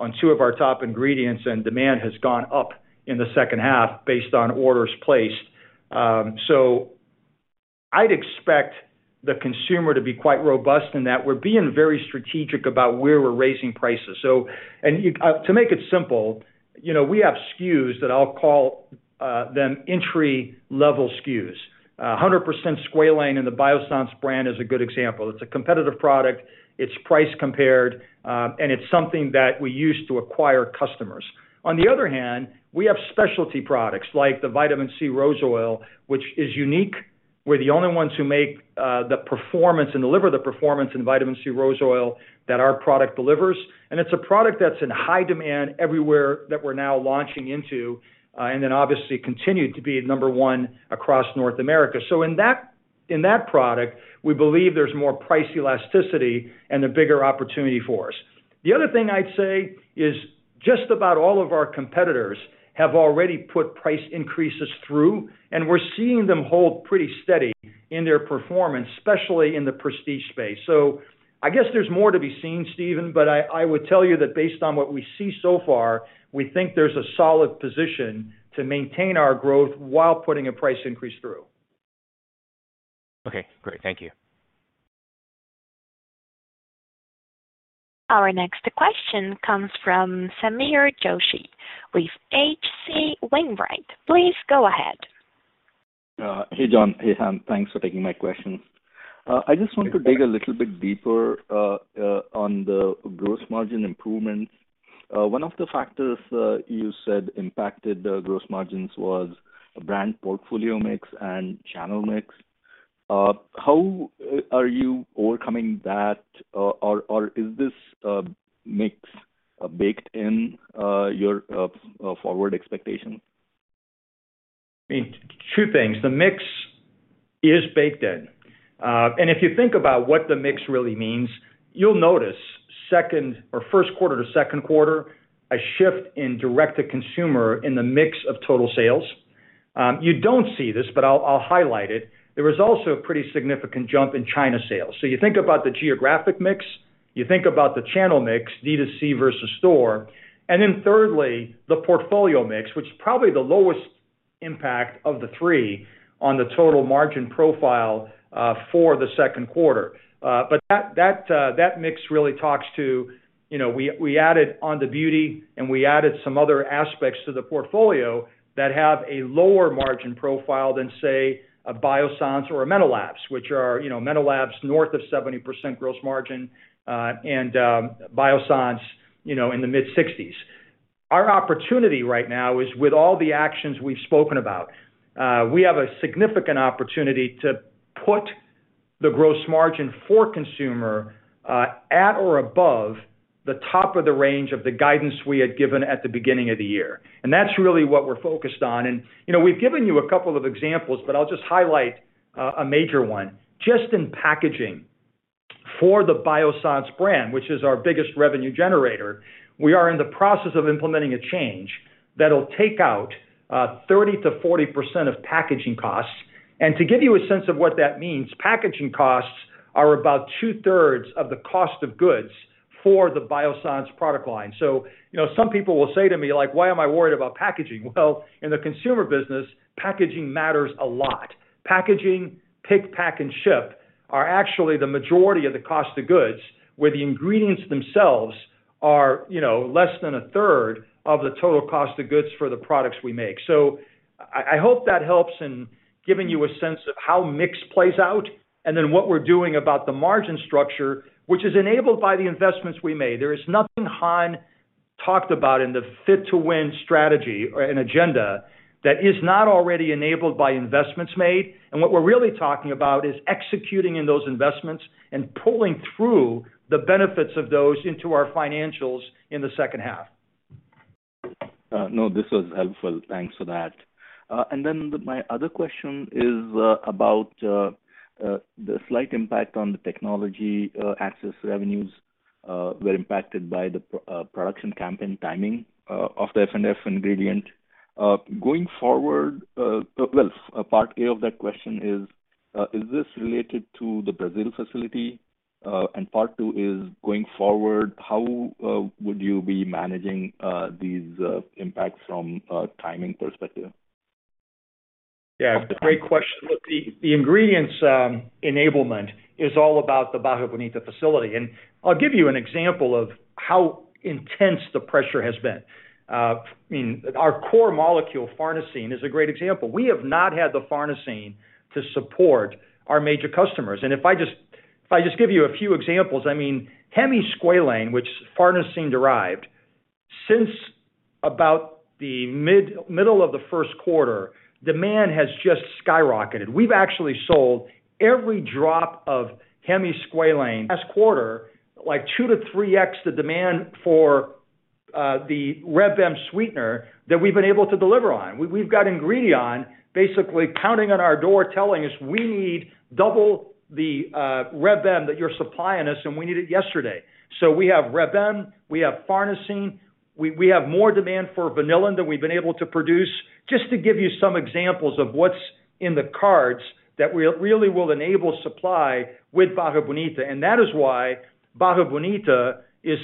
on two of our top ingredients and demand has gone up in the second half based on orders placed. I'd expect the consumer to be quite robust in that we're being very strategic about where we're raising prices. To make it simple, you know, we have SKUs that I'll call them entry-level SKUs. 100% Squalane in the Biossance brand is a good example. It's a competitive product, it's price competitive, and it's something that we use to acquire customers. On the other hand, we have specialty products like the Vitamin C Rose Oil, which is unique. We're the only ones who make the performance and deliver the performance in Vitamin C Rose Oil that our product delivers. It's a product that's in high demand everywhere that we're now launching into, and then obviously continued to be number one across North America. In that product, we believe there's more price elasticity and a bigger opportunity for us. The other thing I'd say is just about all of our competitors have already put price increases through, and we're seeing them hold pretty steady in their performance, especially in the prestige space. I guess there's more to be seen, Steven, but I would tell you that based on what we see so far, we think there's a solid position to maintain our growth while putting a price increase through. Okay, great. Thank you. Our next question comes from Sameer Joshi with H.C. Wainwright. Please go ahead. Hey, John. Hey, Han. Thanks for taking my questions. I just want to dig a little bit deeper on the gross margin improvements. One of the factors you said impacted the gross margins was brand portfolio mix and channel mix. How are you overcoming that? Or is this mix baked in your forward expectations? I mean, two things. The mix is baked in. If you think about what the mix really means, you'll notice from first quarter to second quarter, a shift in direct to consumer in the mix of total sales. You don't see this, but I'll highlight it. There was also a pretty significant jump in China sales. You think about the geographic mix, you think about the channel mix, D2C versus store, and then thirdly, the portfolio mix, which is probably the lowest impact of the three on the total margin profile, for the second quarter. That mix really talks to, you know, we added on the beauty and we added some other aspects to the portfolio that have a lower margin profile than, say, a Biossance or a MenoLabs, which are, you know, MenoLabs north of 70% gross margin, and Biossance, you know, in the mid-60s%. Our opportunity right now is with all the actions we've spoken about. We have a significant opportunity to put the gross margin for consumer at or above the top of the range of the guidance we had given at the beginning of the year. That's really what we're focused on. You know, we've given you a couple of examples, but I'll just highlight a major one. Just in packaging for the Biossance brand, which is our biggest revenue generator, we are in the process of implementing a change that'll take out 30%-40% of packaging costs. To give you a sense of what that means, packaging costs are about two-thirds of the cost of goods for the Biossance product line. You know, some people will say to me, like, why am I worried about packaging? Well, in the consumer business, packaging matters a lot. Packaging, pick, pack, and ship are actually the majority of the cost of goods, where the ingredients themselves are, you know, less than a third of the total cost of goods for the products we make. I hope that helps in giving you a sense of how mix plays out and then what we're doing about the margin structure, which is enabled by the investments we made. There is nothing Han talked about in the Fit to Win strategy or in agenda that is not already enabled by investments made. What we're really talking about is executing in those investments and pulling through the benefits of those into our financials in the second half. No, this was helpful. Thanks for that. My other question is about the slight impact on the technology access revenues were impacted by the pre-production campaign timing of the DSM ingredient. Going forward, well, part A of that question is this related to the Brazil facility? Part two is, going forward, how would you be managing these impacts from a timing perspective? Yeah, great question. Look, the ingredients enablement is all about the Barra Bonita facility. I'll give you an example of how intense the pressure has been. I mean, our core molecule, farnesene, is a great example. We have not had the farnesene to support our major customers. If I just give you a few examples, I mean, Hemisqualane, which is farnesene-derived, since about the middle of the first quarter, demand has just skyrocketed. We've actually sold every drop of Hemisqualane. Last quarter, like 2-3x the demand for the Reb M sweetener that we've been able to deliver on. We've got Ingredion basically pounding on our door, telling us, "We need double the Reb M that you're supplying us, and we need it yesterday." We have Reb M, we have farnesene, we have more demand for vanillin than we've been able to produce. Just to give you some examples of what's in the cards that we really will enable supply with Barra Bonita. That is why Barra Bonita is,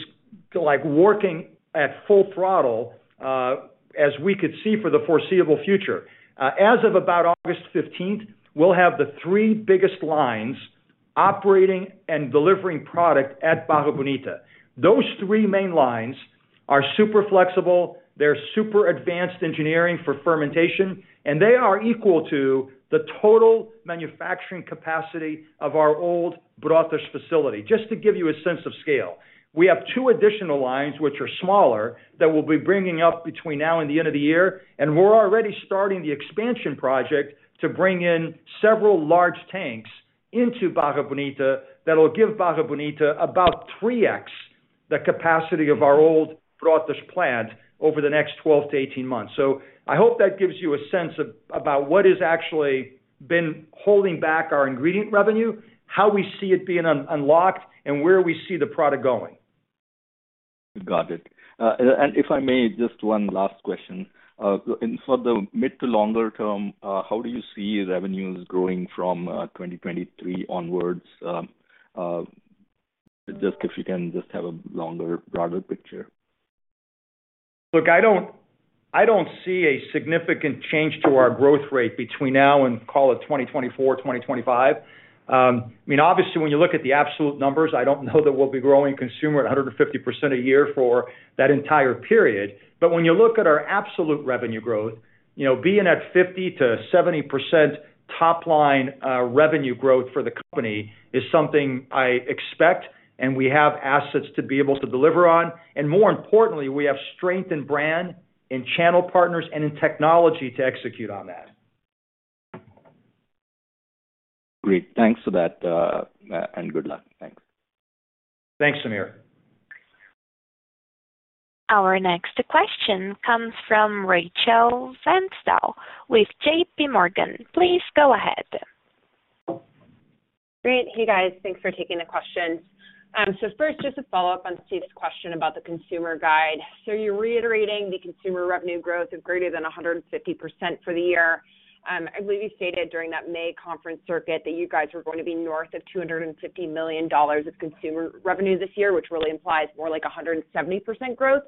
like, working at full throttle, as we could see for the foreseeable future. As of about August 15th, we'll have the three biggest lines operating and delivering product at Barra Bonita. Those three main lines are super flexible, they're super advanced engineering for fermentation, and they are equal to the total manufacturing capacity of our old Brotas facility, just to give you a sense of scale. We have two additional lines, which are smaller, that we'll be bringing up between now and the end of the year, and we're already starting the expansion project to bring in several large tanks into Barra Bonita that'll give Barra Bonita about 3x the capacity of our old Brotas plant over the next 12-18 months. I hope that gives you a sense of, about what has actually been holding back our ingredient revenue, how we see it being unlocked, and where we see the product going. Got it. If I may, just one last question. For the mid to longer-term, how do you see revenues growing from 2023 onwards? Just if you can just have a longer, broader picture. Look, I don't see a significant change to our growth rate between now and, call it 2024, 2025. I mean, obviously, when you look at the absolute numbers, I don't know that we'll be growing consumer at 150% a year for that entire period. But when you look at our absolute revenue growth, you know, being at 50%-70% top line, revenue growth for the company is something I expect and we have assets to be able to deliver on. More importantly, we have strength in brand, in channel partners, and in technology to execute on that. Great. Thanks for that, and good luck. Thanks. Thanks, Sameer. Our next question comes from Rachel Vatnsdal with JPMorgan. Please go ahead. Great. Hey, guys. Thanks for taking the questions. First, just a follow-up on Steve's question about the consumer side. You're reiterating the consumer revenue growth of greater than 150% for the year. I believe you stated during that May conference circuit that you guys were going to be north of $250 million of consumer revenue this year, which really implies more like 170% growth.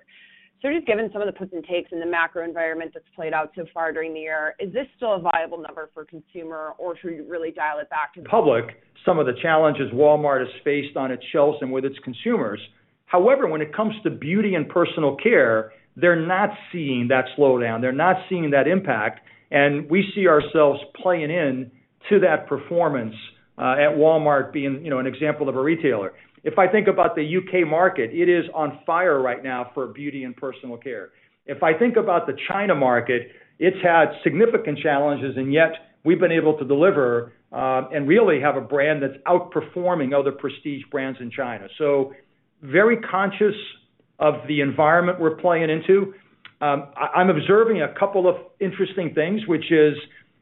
Just given some of the puts and takes in the macro environment that's played out so far during the year, is this still a viable number for consumer, or should we really dial it back to- Despite some of the challenges Walmart has faced on its shelves and with its consumers. However, when it comes to beauty and personal care, they're not seeing that slowdown. They're not seeing that impact, and we see ourselves playing into that performance at Walmart being, you know, an example of a retailer. If I think about the U.K. market, it is on fire right now for beauty and personal care. If I think about the China market, it's had significant challenges, and yet we've been able to deliver and really have a brand that's outperforming other prestige brands in China. Very conscious of the environment we're playing into. I'm observing a couple of interesting things, which is,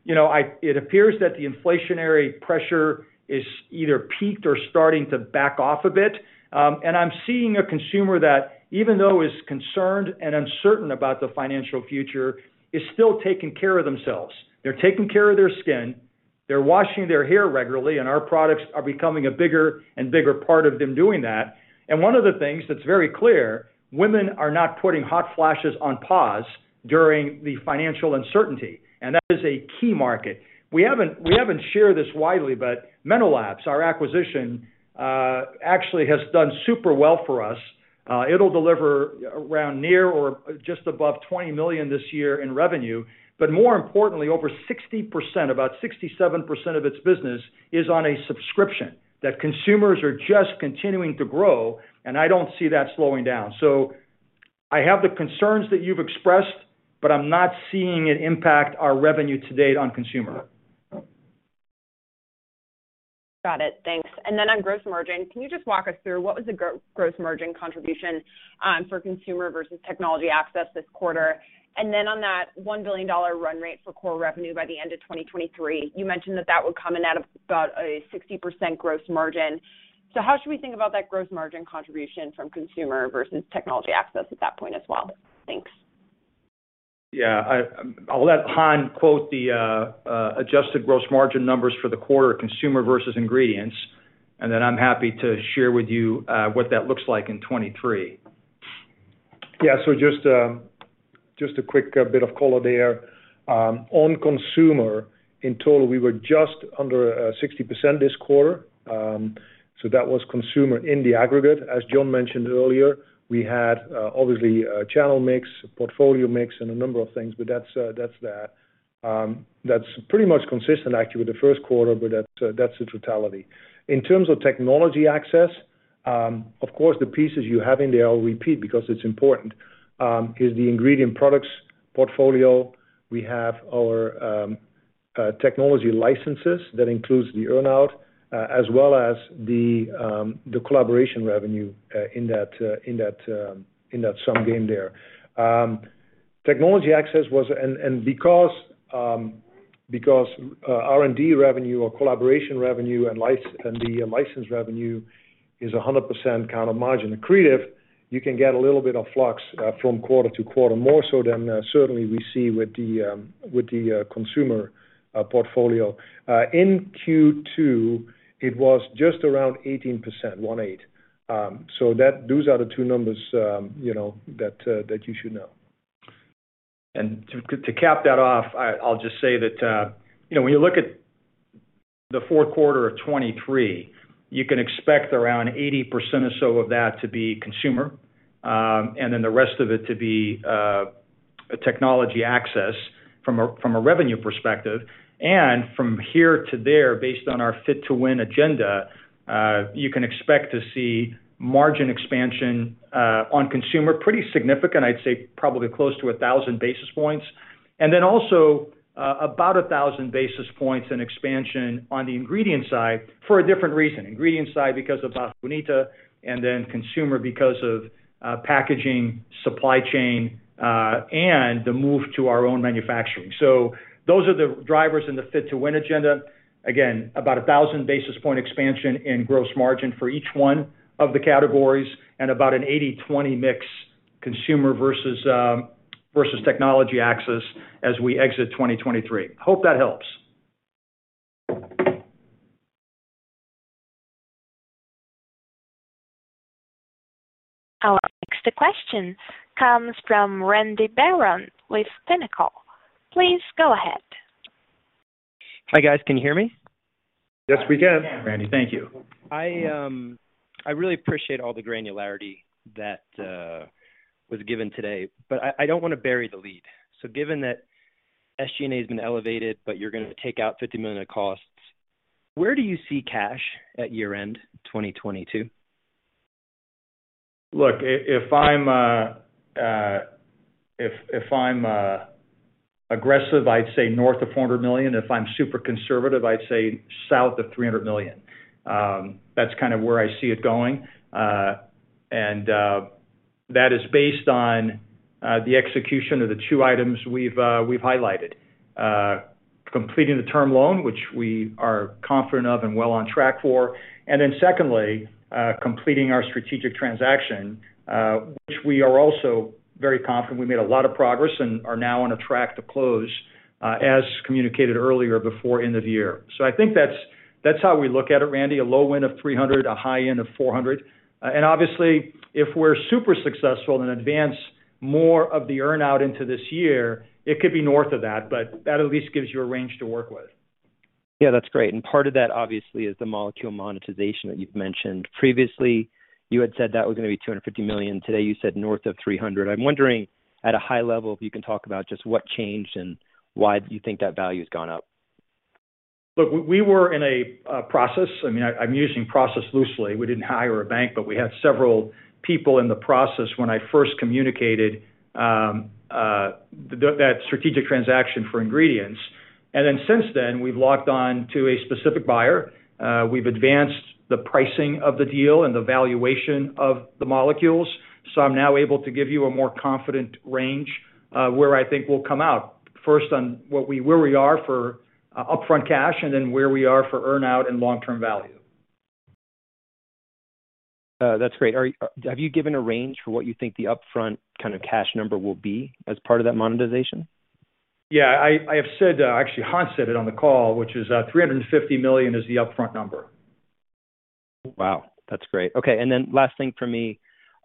you know, it appears that the inflationary pressure is either peaked or starting to back off a bit. I'm seeing a consumer that, even though is concerned and uncertain about the financial future, is still taking care of themselves. They're taking care of their skin. They're washing their hair regularly, and our products are becoming a bigger and bigger part of them doing that. One of the things that's very clear, women are not putting hot flashes on pause during the financial uncertainty, and that is a key market. We haven't shared this widely, but MenoLabs, our acquisition, actually has done super well for us. It'll deliver around near or just above $20 million this year in revenue. More importantly, over 60%, about 67% of its business is on a subscription that consumers are just continuing to grow, and I don't see that slowing down. I have the concerns that you've expressed, but I'm not seeing it impact our revenue to date on consumer. Got it. Thanks. On gross margin, can you just walk us through what was the gross margin contribution for consumer versus technology access this quarter? On that $1 billion run rate for core revenue by the end of 2023, you mentioned that that would come in at about a 60% gross margin. How should we think about that gross margin contribution from consumer versus technology access at that point as well? Thanks. Yeah. I'll let Han quote the adjusted gross margin numbers for the quarter consumer versus ingredients, and then I'm happy to share with you what that looks like in 2023. Yeah. Just a quick bit of color there. On consumer, in total, we were just under 60% this quarter. That was consumer in the aggregate. As John mentioned earlier, we had obviously a channel mix, portfolio mix, and a number of things, but that's that. That's pretty much consistent actually with the first quarter, but that's the totality. In terms of technology access, of course, the pieces you have in there, I'll repeat because it's important, is the ingredient products portfolio. We have our technology licenses, that includes the earn-out, as well as the collaboration revenue, in that segment there. R&D revenue or collaboration revenue and the license revenue is 100% margin accretive. You can get a little bit of flux from quarter to quarter more so than certainly we see with the consumer portfolio. In Q2, it was just around 18%, 18. Those are the two numbers, you know, that you should know. To cap that off, I'll just say that, you know, when you look at the fourth quarter of 2023, you can expect around 80% or so of that to be consumer, and then the rest of it to be technology access from a revenue perspective. From here to there, based on our Fit to Win agenda, you can expect to see margin expansion on consumer pretty significant, I'd say probably close to a thousand basis points. Then also, about a thousand basis points in expansion on the ingredient side for a different reason. Ingredient side because of Barra Bonita and then consumer because of packaging, supply chain, and the move to our own manufacturing. Those are the drivers in the Fit to Win agenda. Again, about 1,000 basis point expansion in gross margin for each one of the categories and about an 80-20 mix consumer versus technology assets as we exit 2023. Hope that helps. Our next question comes from Randy Baron with Pinnacle. Please go ahead. Hi, guys. Can you hear me? Yes, we can, Randy. Thank you. I really appreciate all the granularity that was given today, but I don't wanna bury the lead. Given that SG&A has been elevated, but you're gonna take out $50 million of costs, where do you see cash at year-end 2022? Look, if I'm aggressive, I'd say north of $400 million. If I'm super conservative, I'd say south of $300 million. That's kind of where I see it going. That is based on the execution of the two items we've highlighted. Completing the term loan, which we are confident of and well on track for. Then secondly, completing our strategic transaction, which we are also very confident. We made a lot of progress and are now on a track to close, as communicated earlier, before end of year. I think that's how we look at it, Randy, a low end of $300, a high end of $400. Obviously, if we're super successful in advance more of the earn-out into this year, it could be north of that, but that at least gives you a range to work with. Yeah, that's great. Part of that, obviously, is the molecule monetization that you've mentioned. Previously, you had said that was gonna be $250 million. Today, you said north of $300 million. I'm wondering, at a high level, if you can talk about just what changed and why you think that value's gone up. Look, we were in a process. I mean, I'm using process loosely. We didn't hire a bank, but we had several people in the process when I first communicated that strategic transaction for ingredients. Then since then, we've locked on to a specific buyer. We've advanced the pricing of the deal and the valuation of the molecules. I'm now able to give you a more confident range where I think we'll come out. First on where we are for upfront cash and then where we are for earn-out and long-term value. That's great. Have you given a range for what you think the upfront kind of cash number will be as part of that monetization? Yeah, I have said, actually, Han said it on the call, which is $350 million is the upfront number. Wow, that's great. Okay. Last thing for me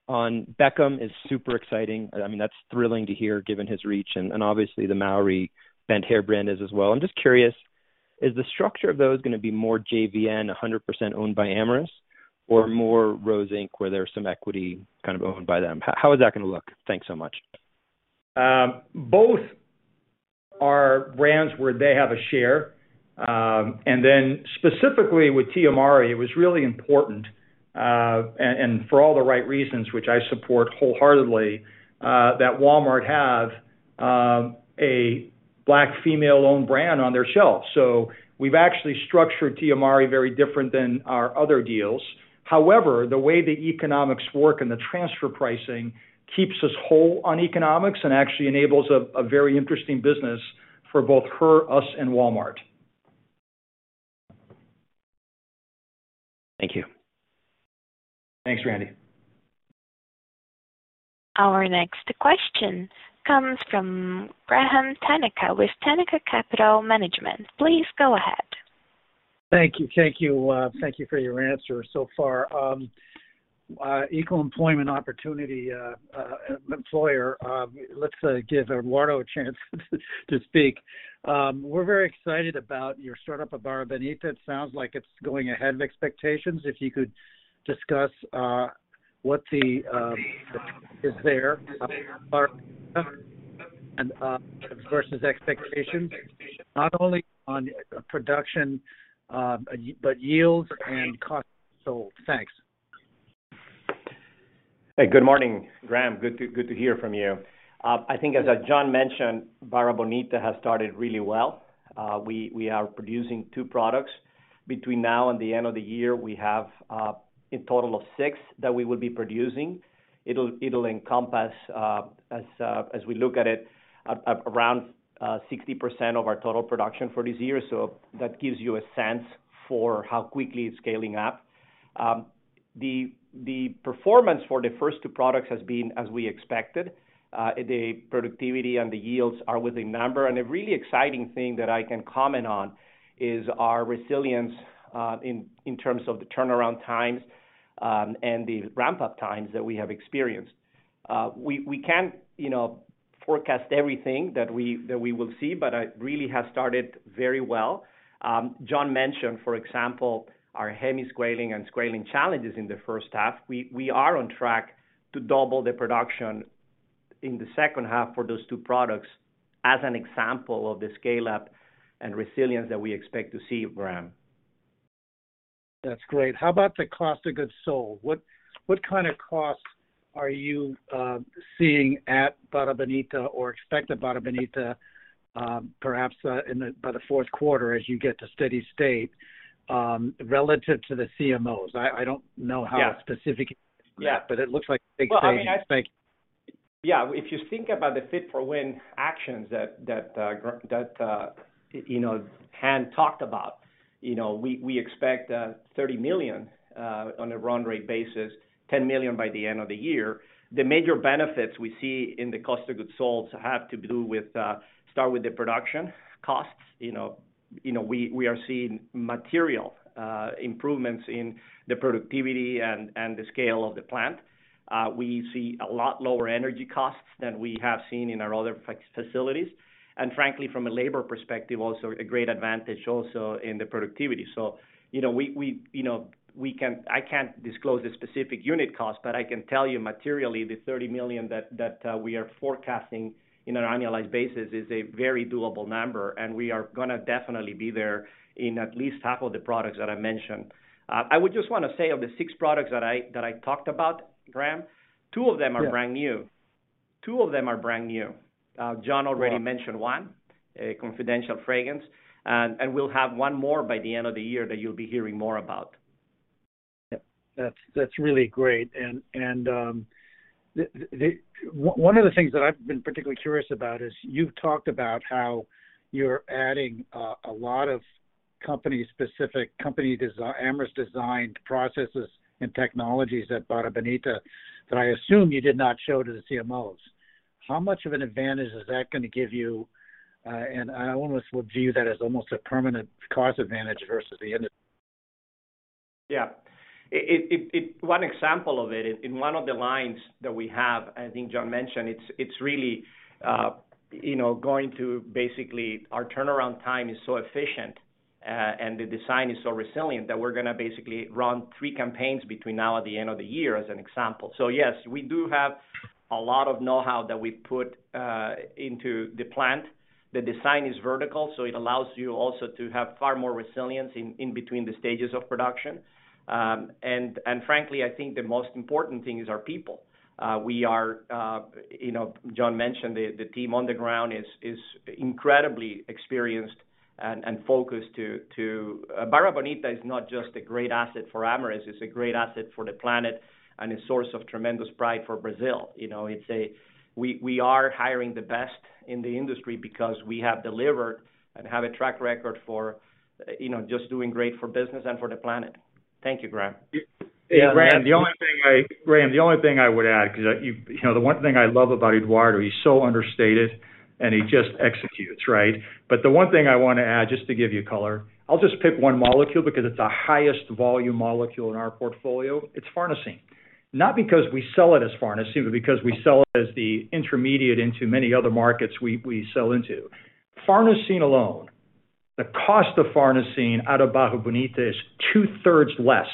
on Beckham is super exciting. I mean, that's thrilling to hear given his reach and obviously the Mowry Bent hair brand is as well. I'm just curious, is the structure of those gonna be more JVN 100% owned by Amyris or more Rose Inc, where there's some equity kind of owned by them? How is that gonna look? Thanks so much. Both are brands where they have a share. Specifically with Tia Mowry, it was really important, and for all the right reasons, which I support wholeheartedly, that Walmart have a Black female-owned brand on their shelf. We've actually structured Tia Mowry very different than our other deals. However, the way the economics work and the transfer pricing keeps us whole on economics and actually enables a very interesting business for both her, us, and Walmart. Thank you. Thanks, Randy. Our next question comes from Graham Tanaka with Tanaka Capital Management. Please go ahead. Thank you for your answers so far. Let's give Eduardo a chance to speak. We're very excited about your startup at Barra Bonita. It sounds like it's going ahead of expectations. If you could discuss what the status is there and versus expectations, not only on production but yields and costs. Thanks. Hey, good morning, Graham. Good to hear from you. I think as John mentioned, Barra Bonita has started really well. We are producing two products. Between now and the end of the year, we have a total of six that we will be producing. It'll encompass, as we look at it, around 60% of our total production for this year. That gives you a sense for how quickly it's scaling up. The performance for the first two products has been as we expected. The productivity and the yields are with the number. The really exciting thing that I can comment on is our resilience in terms of the turnaround times and the ramp-up times that we have experienced. We can't, you know, forecast everything that we will see, but really has started very well. John mentioned, for example, our Hemisqualane and Squalane challenges in the first half. We are on track to double the production in the second half for those two products as an example of the scale-up and resilience that we expect to see, Graham. That's great. How about the cost of goods sold? What kind of costs are you seeing at Barra Bonita or expect at Barra Bonita, perhaps by the fourth quarter as you get to steady state, relative to the CMOs? I don't know how- Yeah. Specific it is, Graham. Yeah. It looks like big savings. Well, I mean, I think. Yeah. If you think about the Fit to Win actions that you know Han talked about, you know, we expect $30 million on a run rate basis, $10 million by the end of the year. The major benefits we see in the cost of goods sold have to do with start with the production costs. You know, we are seeing material improvements in the productivity and the scale of the plant. We see a lot lower energy costs than we have seen in our other facilities. Frankly, from a labor perspective, also a great advantage also in the productivity. I can't disclose the specific unit cost, but I can tell you materially, the $30 million that we are forecasting on an annualized basis is a very doable number, and we are gonna definitely be there in at least half of the products that I mentioned. I would just wanna say of the six products that I talked about, Graham, two of them are brand new. John already mentioned one, a confidential fragrance. We'll have one more by the end of the year that you'll be hearing more about. Yeah. That's really great. One of the things that I've been particularly curious about is you've talked about how you're adding a lot of company-specific, Amyris-designed processes and technologies at Barra Bonita that I assume you did not show to the CMOs. How much of an advantage is that gonna give you? I almost would view that as almost a permanent cost advantage versus the end of- Yeah. One example of it, in one of the lines that we have, I think John mentioned. It's really, you know, going to basically our turnaround time is so efficient, and the design is so resilient that we're gonna basically run three campaigns between now and the end of the year as an example. Yes, we do have a lot of know-how that we put into the plant. The design is vertical, so it allows you also to have far more resilience in between the stages of production. Frankly, I think the most important thing is our people. We are, you know, John mentioned the team on the ground is incredibly experienced and focused to. Barra Bonita is not just a great asset for Amyris, it's a great asset for the planet and a source of tremendous pride for Brazil. You know, we are hiring the best in the industry because we have delivered and have a track record for, you know, just doing great for business and for the planet. Thank you, Graham. Yeah, Graham, the only thing I would add, 'cause you know, the one thing I love about Eduardo, he's so understated, and he just executes, right? The one thing I wanna add, just to give you color, I'll just pick one molecule because it's the highest volume molecule in our portfolio. It's farnesene. Not because we sell it as farnesene, but because we sell it as the intermediate into many other markets we sell into. Farnesene alone, the cost of farnesene out of Barra Bonita is 2/3 less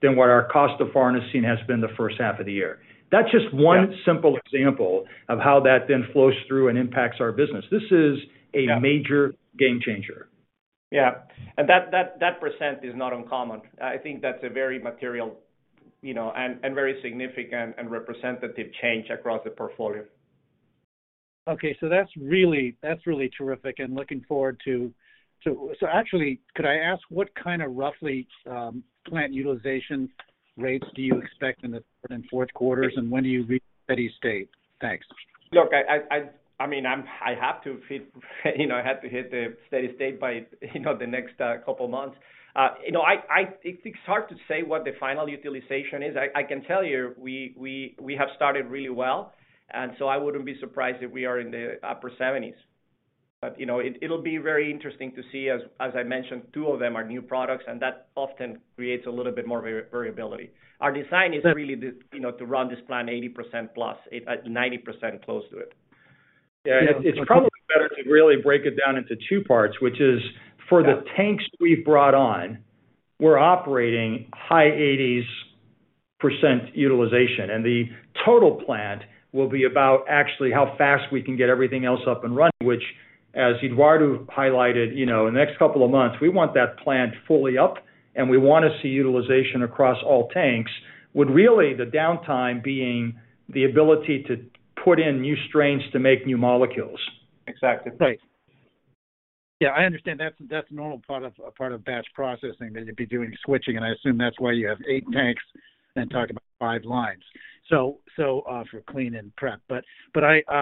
than what our cost of farnesene has been the first half of the year. That's just one simple example of how that then flows through and impacts our business. This is a major game changer. Yeah. That percent is not uncommon. I think that's a very material, you know, and very significant and representative change across the portfolio. Okay. That's really terrific. Actually, could I ask what kind of roughly plant utilization rates do you expect in the third and fourth quarters, and when do you reach steady state? Thanks. Look, I mean, I have to hit the steady state by, you know, the next couple months. You know, it's hard to say what the final utilization is. I can tell you, we have started really well. I wouldn't be surprised if we are in the upper 70s%. It'll be very interesting to see. As I mentioned, two of them are new products, and that often creates a little bit more variability. Our design is really, you know, to run this plant 80% plus, 90% close to it. Yeah. It's probably better to really break it down into two parts, which is for the tanks we've brought on, we're operating high 80s% utilization. The total plant will be about actually how fast we can get everything else up and running, which, as Eduardo highlighted, you know, in the next couple of months, we want that plant fully up, and we wanna see utilization across all tanks. With really the downtime being the ability to put in new strains to make new molecules. Exactly. Right. Yeah, I understand that's a normal part of batch processing, that you'd be doing switching, and I assume that's why you have eight tanks and talking about five lines. For clean and prep. A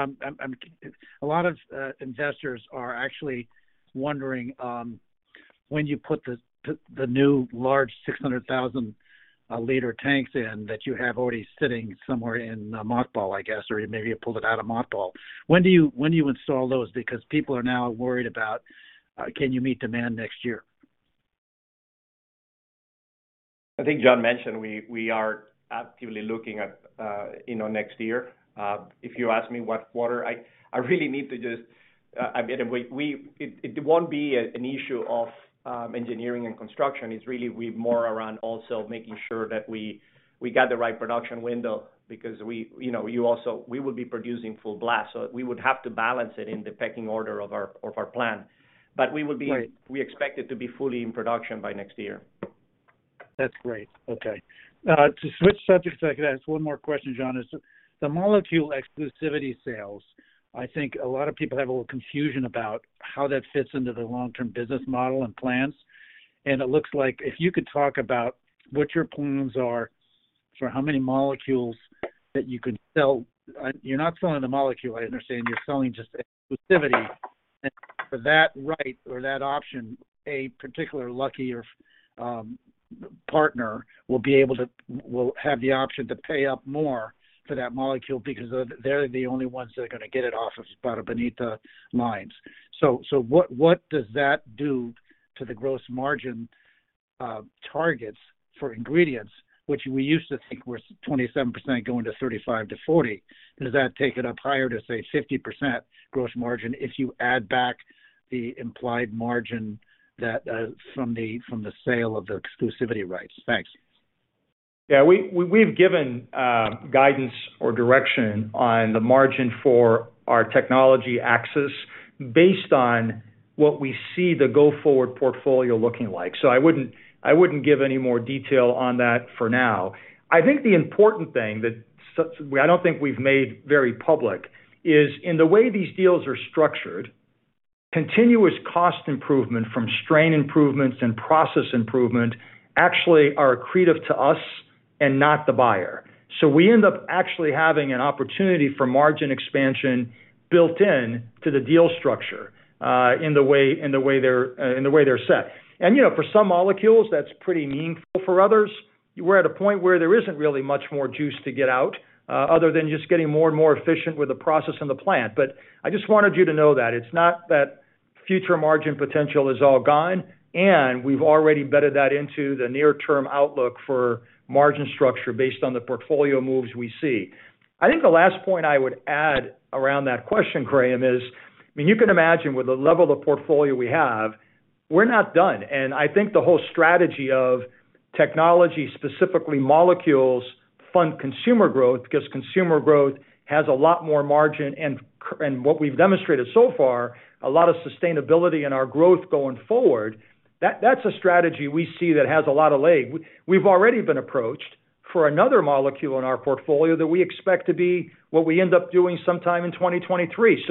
lot of investors are actually wondering when you put the new large 600,000-liter tanks in that you have already sitting somewhere in mothballs, I guess, or maybe you pulled it out of mothballs. When do you install those? Because people are now worried about can you meet demand next year. I think John mentioned we are actively looking at, you know, next year. If you ask me what quarter, I really need to just I mean, it won't be an issue of engineering and construction. It's really with more around also making sure that we got the right production window because we, you know, we will be producing full blast, so we would have to balance it in the pecking order of our plan. We will be Right. We expect it to be fully in production by next year. That's great. Okay. To switch subjects, if I could ask one more question, John? Is the molecule exclusivity sales? I think a lot of people have a little confusion about how that fits into the long-term business model and plans. It looks like if you could talk about what your plans are for how many molecules that you could sell. You're not selling the molecule, I understand. You're selling just exclusivity. For that right or that option, a particular licensee partner will have the option to pay up more for that molecule because they're the only ones that are gonna get it off of Barra Bonita lines. What does that do to the gross margin targets for ingredients, which we used to think were 27% going to 35%-40%? Does that take it up higher to, say, 50% gross margin if you add back the implied margin that, from the sale of the exclusivity rights? Thanks. Yeah. We've given guidance or direction on the margin for our Technology Access based on what we see the go-forward portfolio looking like. I wouldn't give any more detail on that for now. I think the important thing that I don't think we've made very public is in the way these deals are structured, continuous cost improvement from strain improvements and process improvement actually are accretive to us and not the buyer. We end up actually having an opportunity for margin expansion built in to the deal structure in the way they're set. You know, for some molecules, that's pretty meaningful. For others, we're at a point where there isn't really much more juice to get out other than just getting more and more efficient with the process in the plant. I just wanted you to know that. It's not that future margin potential is all gone, and we've already embedded that into the near-term outlook for margin structure based on the portfolio moves we see. I think the last point I would add around that question, Graham, is, I mean, you can imagine with the level of portfolio we have, we're not done. I think the whole strategy of technology, specifically molecules, fund consumer growth because consumer growth has a lot more margin, and what we've demonstrated so far, a lot of sustainability in our growth going forward. That's a strategy we see that has a lot of leg. We've already been approached for another molecule in our portfolio that we expect to be what we end up doing sometime in 2023.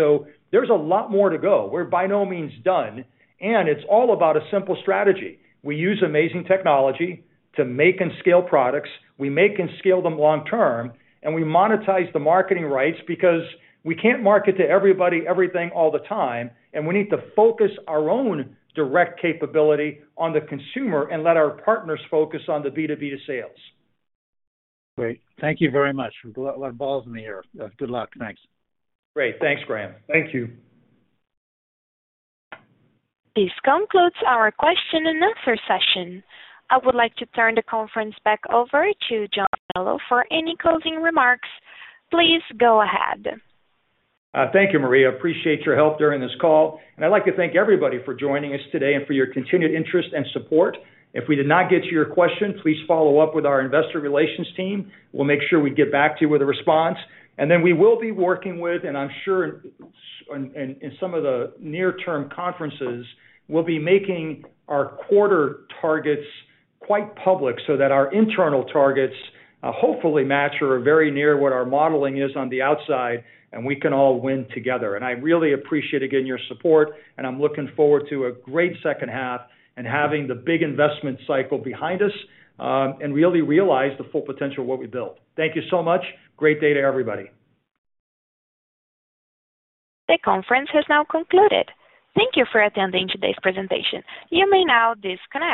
There's a lot more to go. We're by no means done, and it's all about a simple strategy. We use amazing technology to make and scale products. We make and scale them long-term, and we monetize the marketing rights because we can't market to everybody everything all the time, and we need to focus our own direct capability on the consumer and let our partners focus on the B2B sales. Great. Thank you very much. A lot of balls in the air. Good luck. Thanks. Great. Thanks, Graham. Thank you. This concludes our question and answer session. I would like to turn the conference back over to John Melo for any closing remarks. Please go ahead. Thank you, Maria. Appreciate your help during this call. I'd like to thank everybody for joining us today and for your continued interest and support. If we did not get to your question, please follow-up with our investor relations team. We'll make sure we get back to you with a response. Then we will be working with, and I'm sure in some of the near-term conferences, we'll be making our quarter targets quite public so that our internal targets, hopefully match or are very near what our modeling is on the outside, and we can all win together. I really appreciate, again, your support, and I'm looking forward to a great second half and having the big investment cycle behind us, and really realize the full potential of what we built. Thank you so much. Great day to everybody. The conference has now concluded. Thank you for attending today's presentation. You may now disconnect.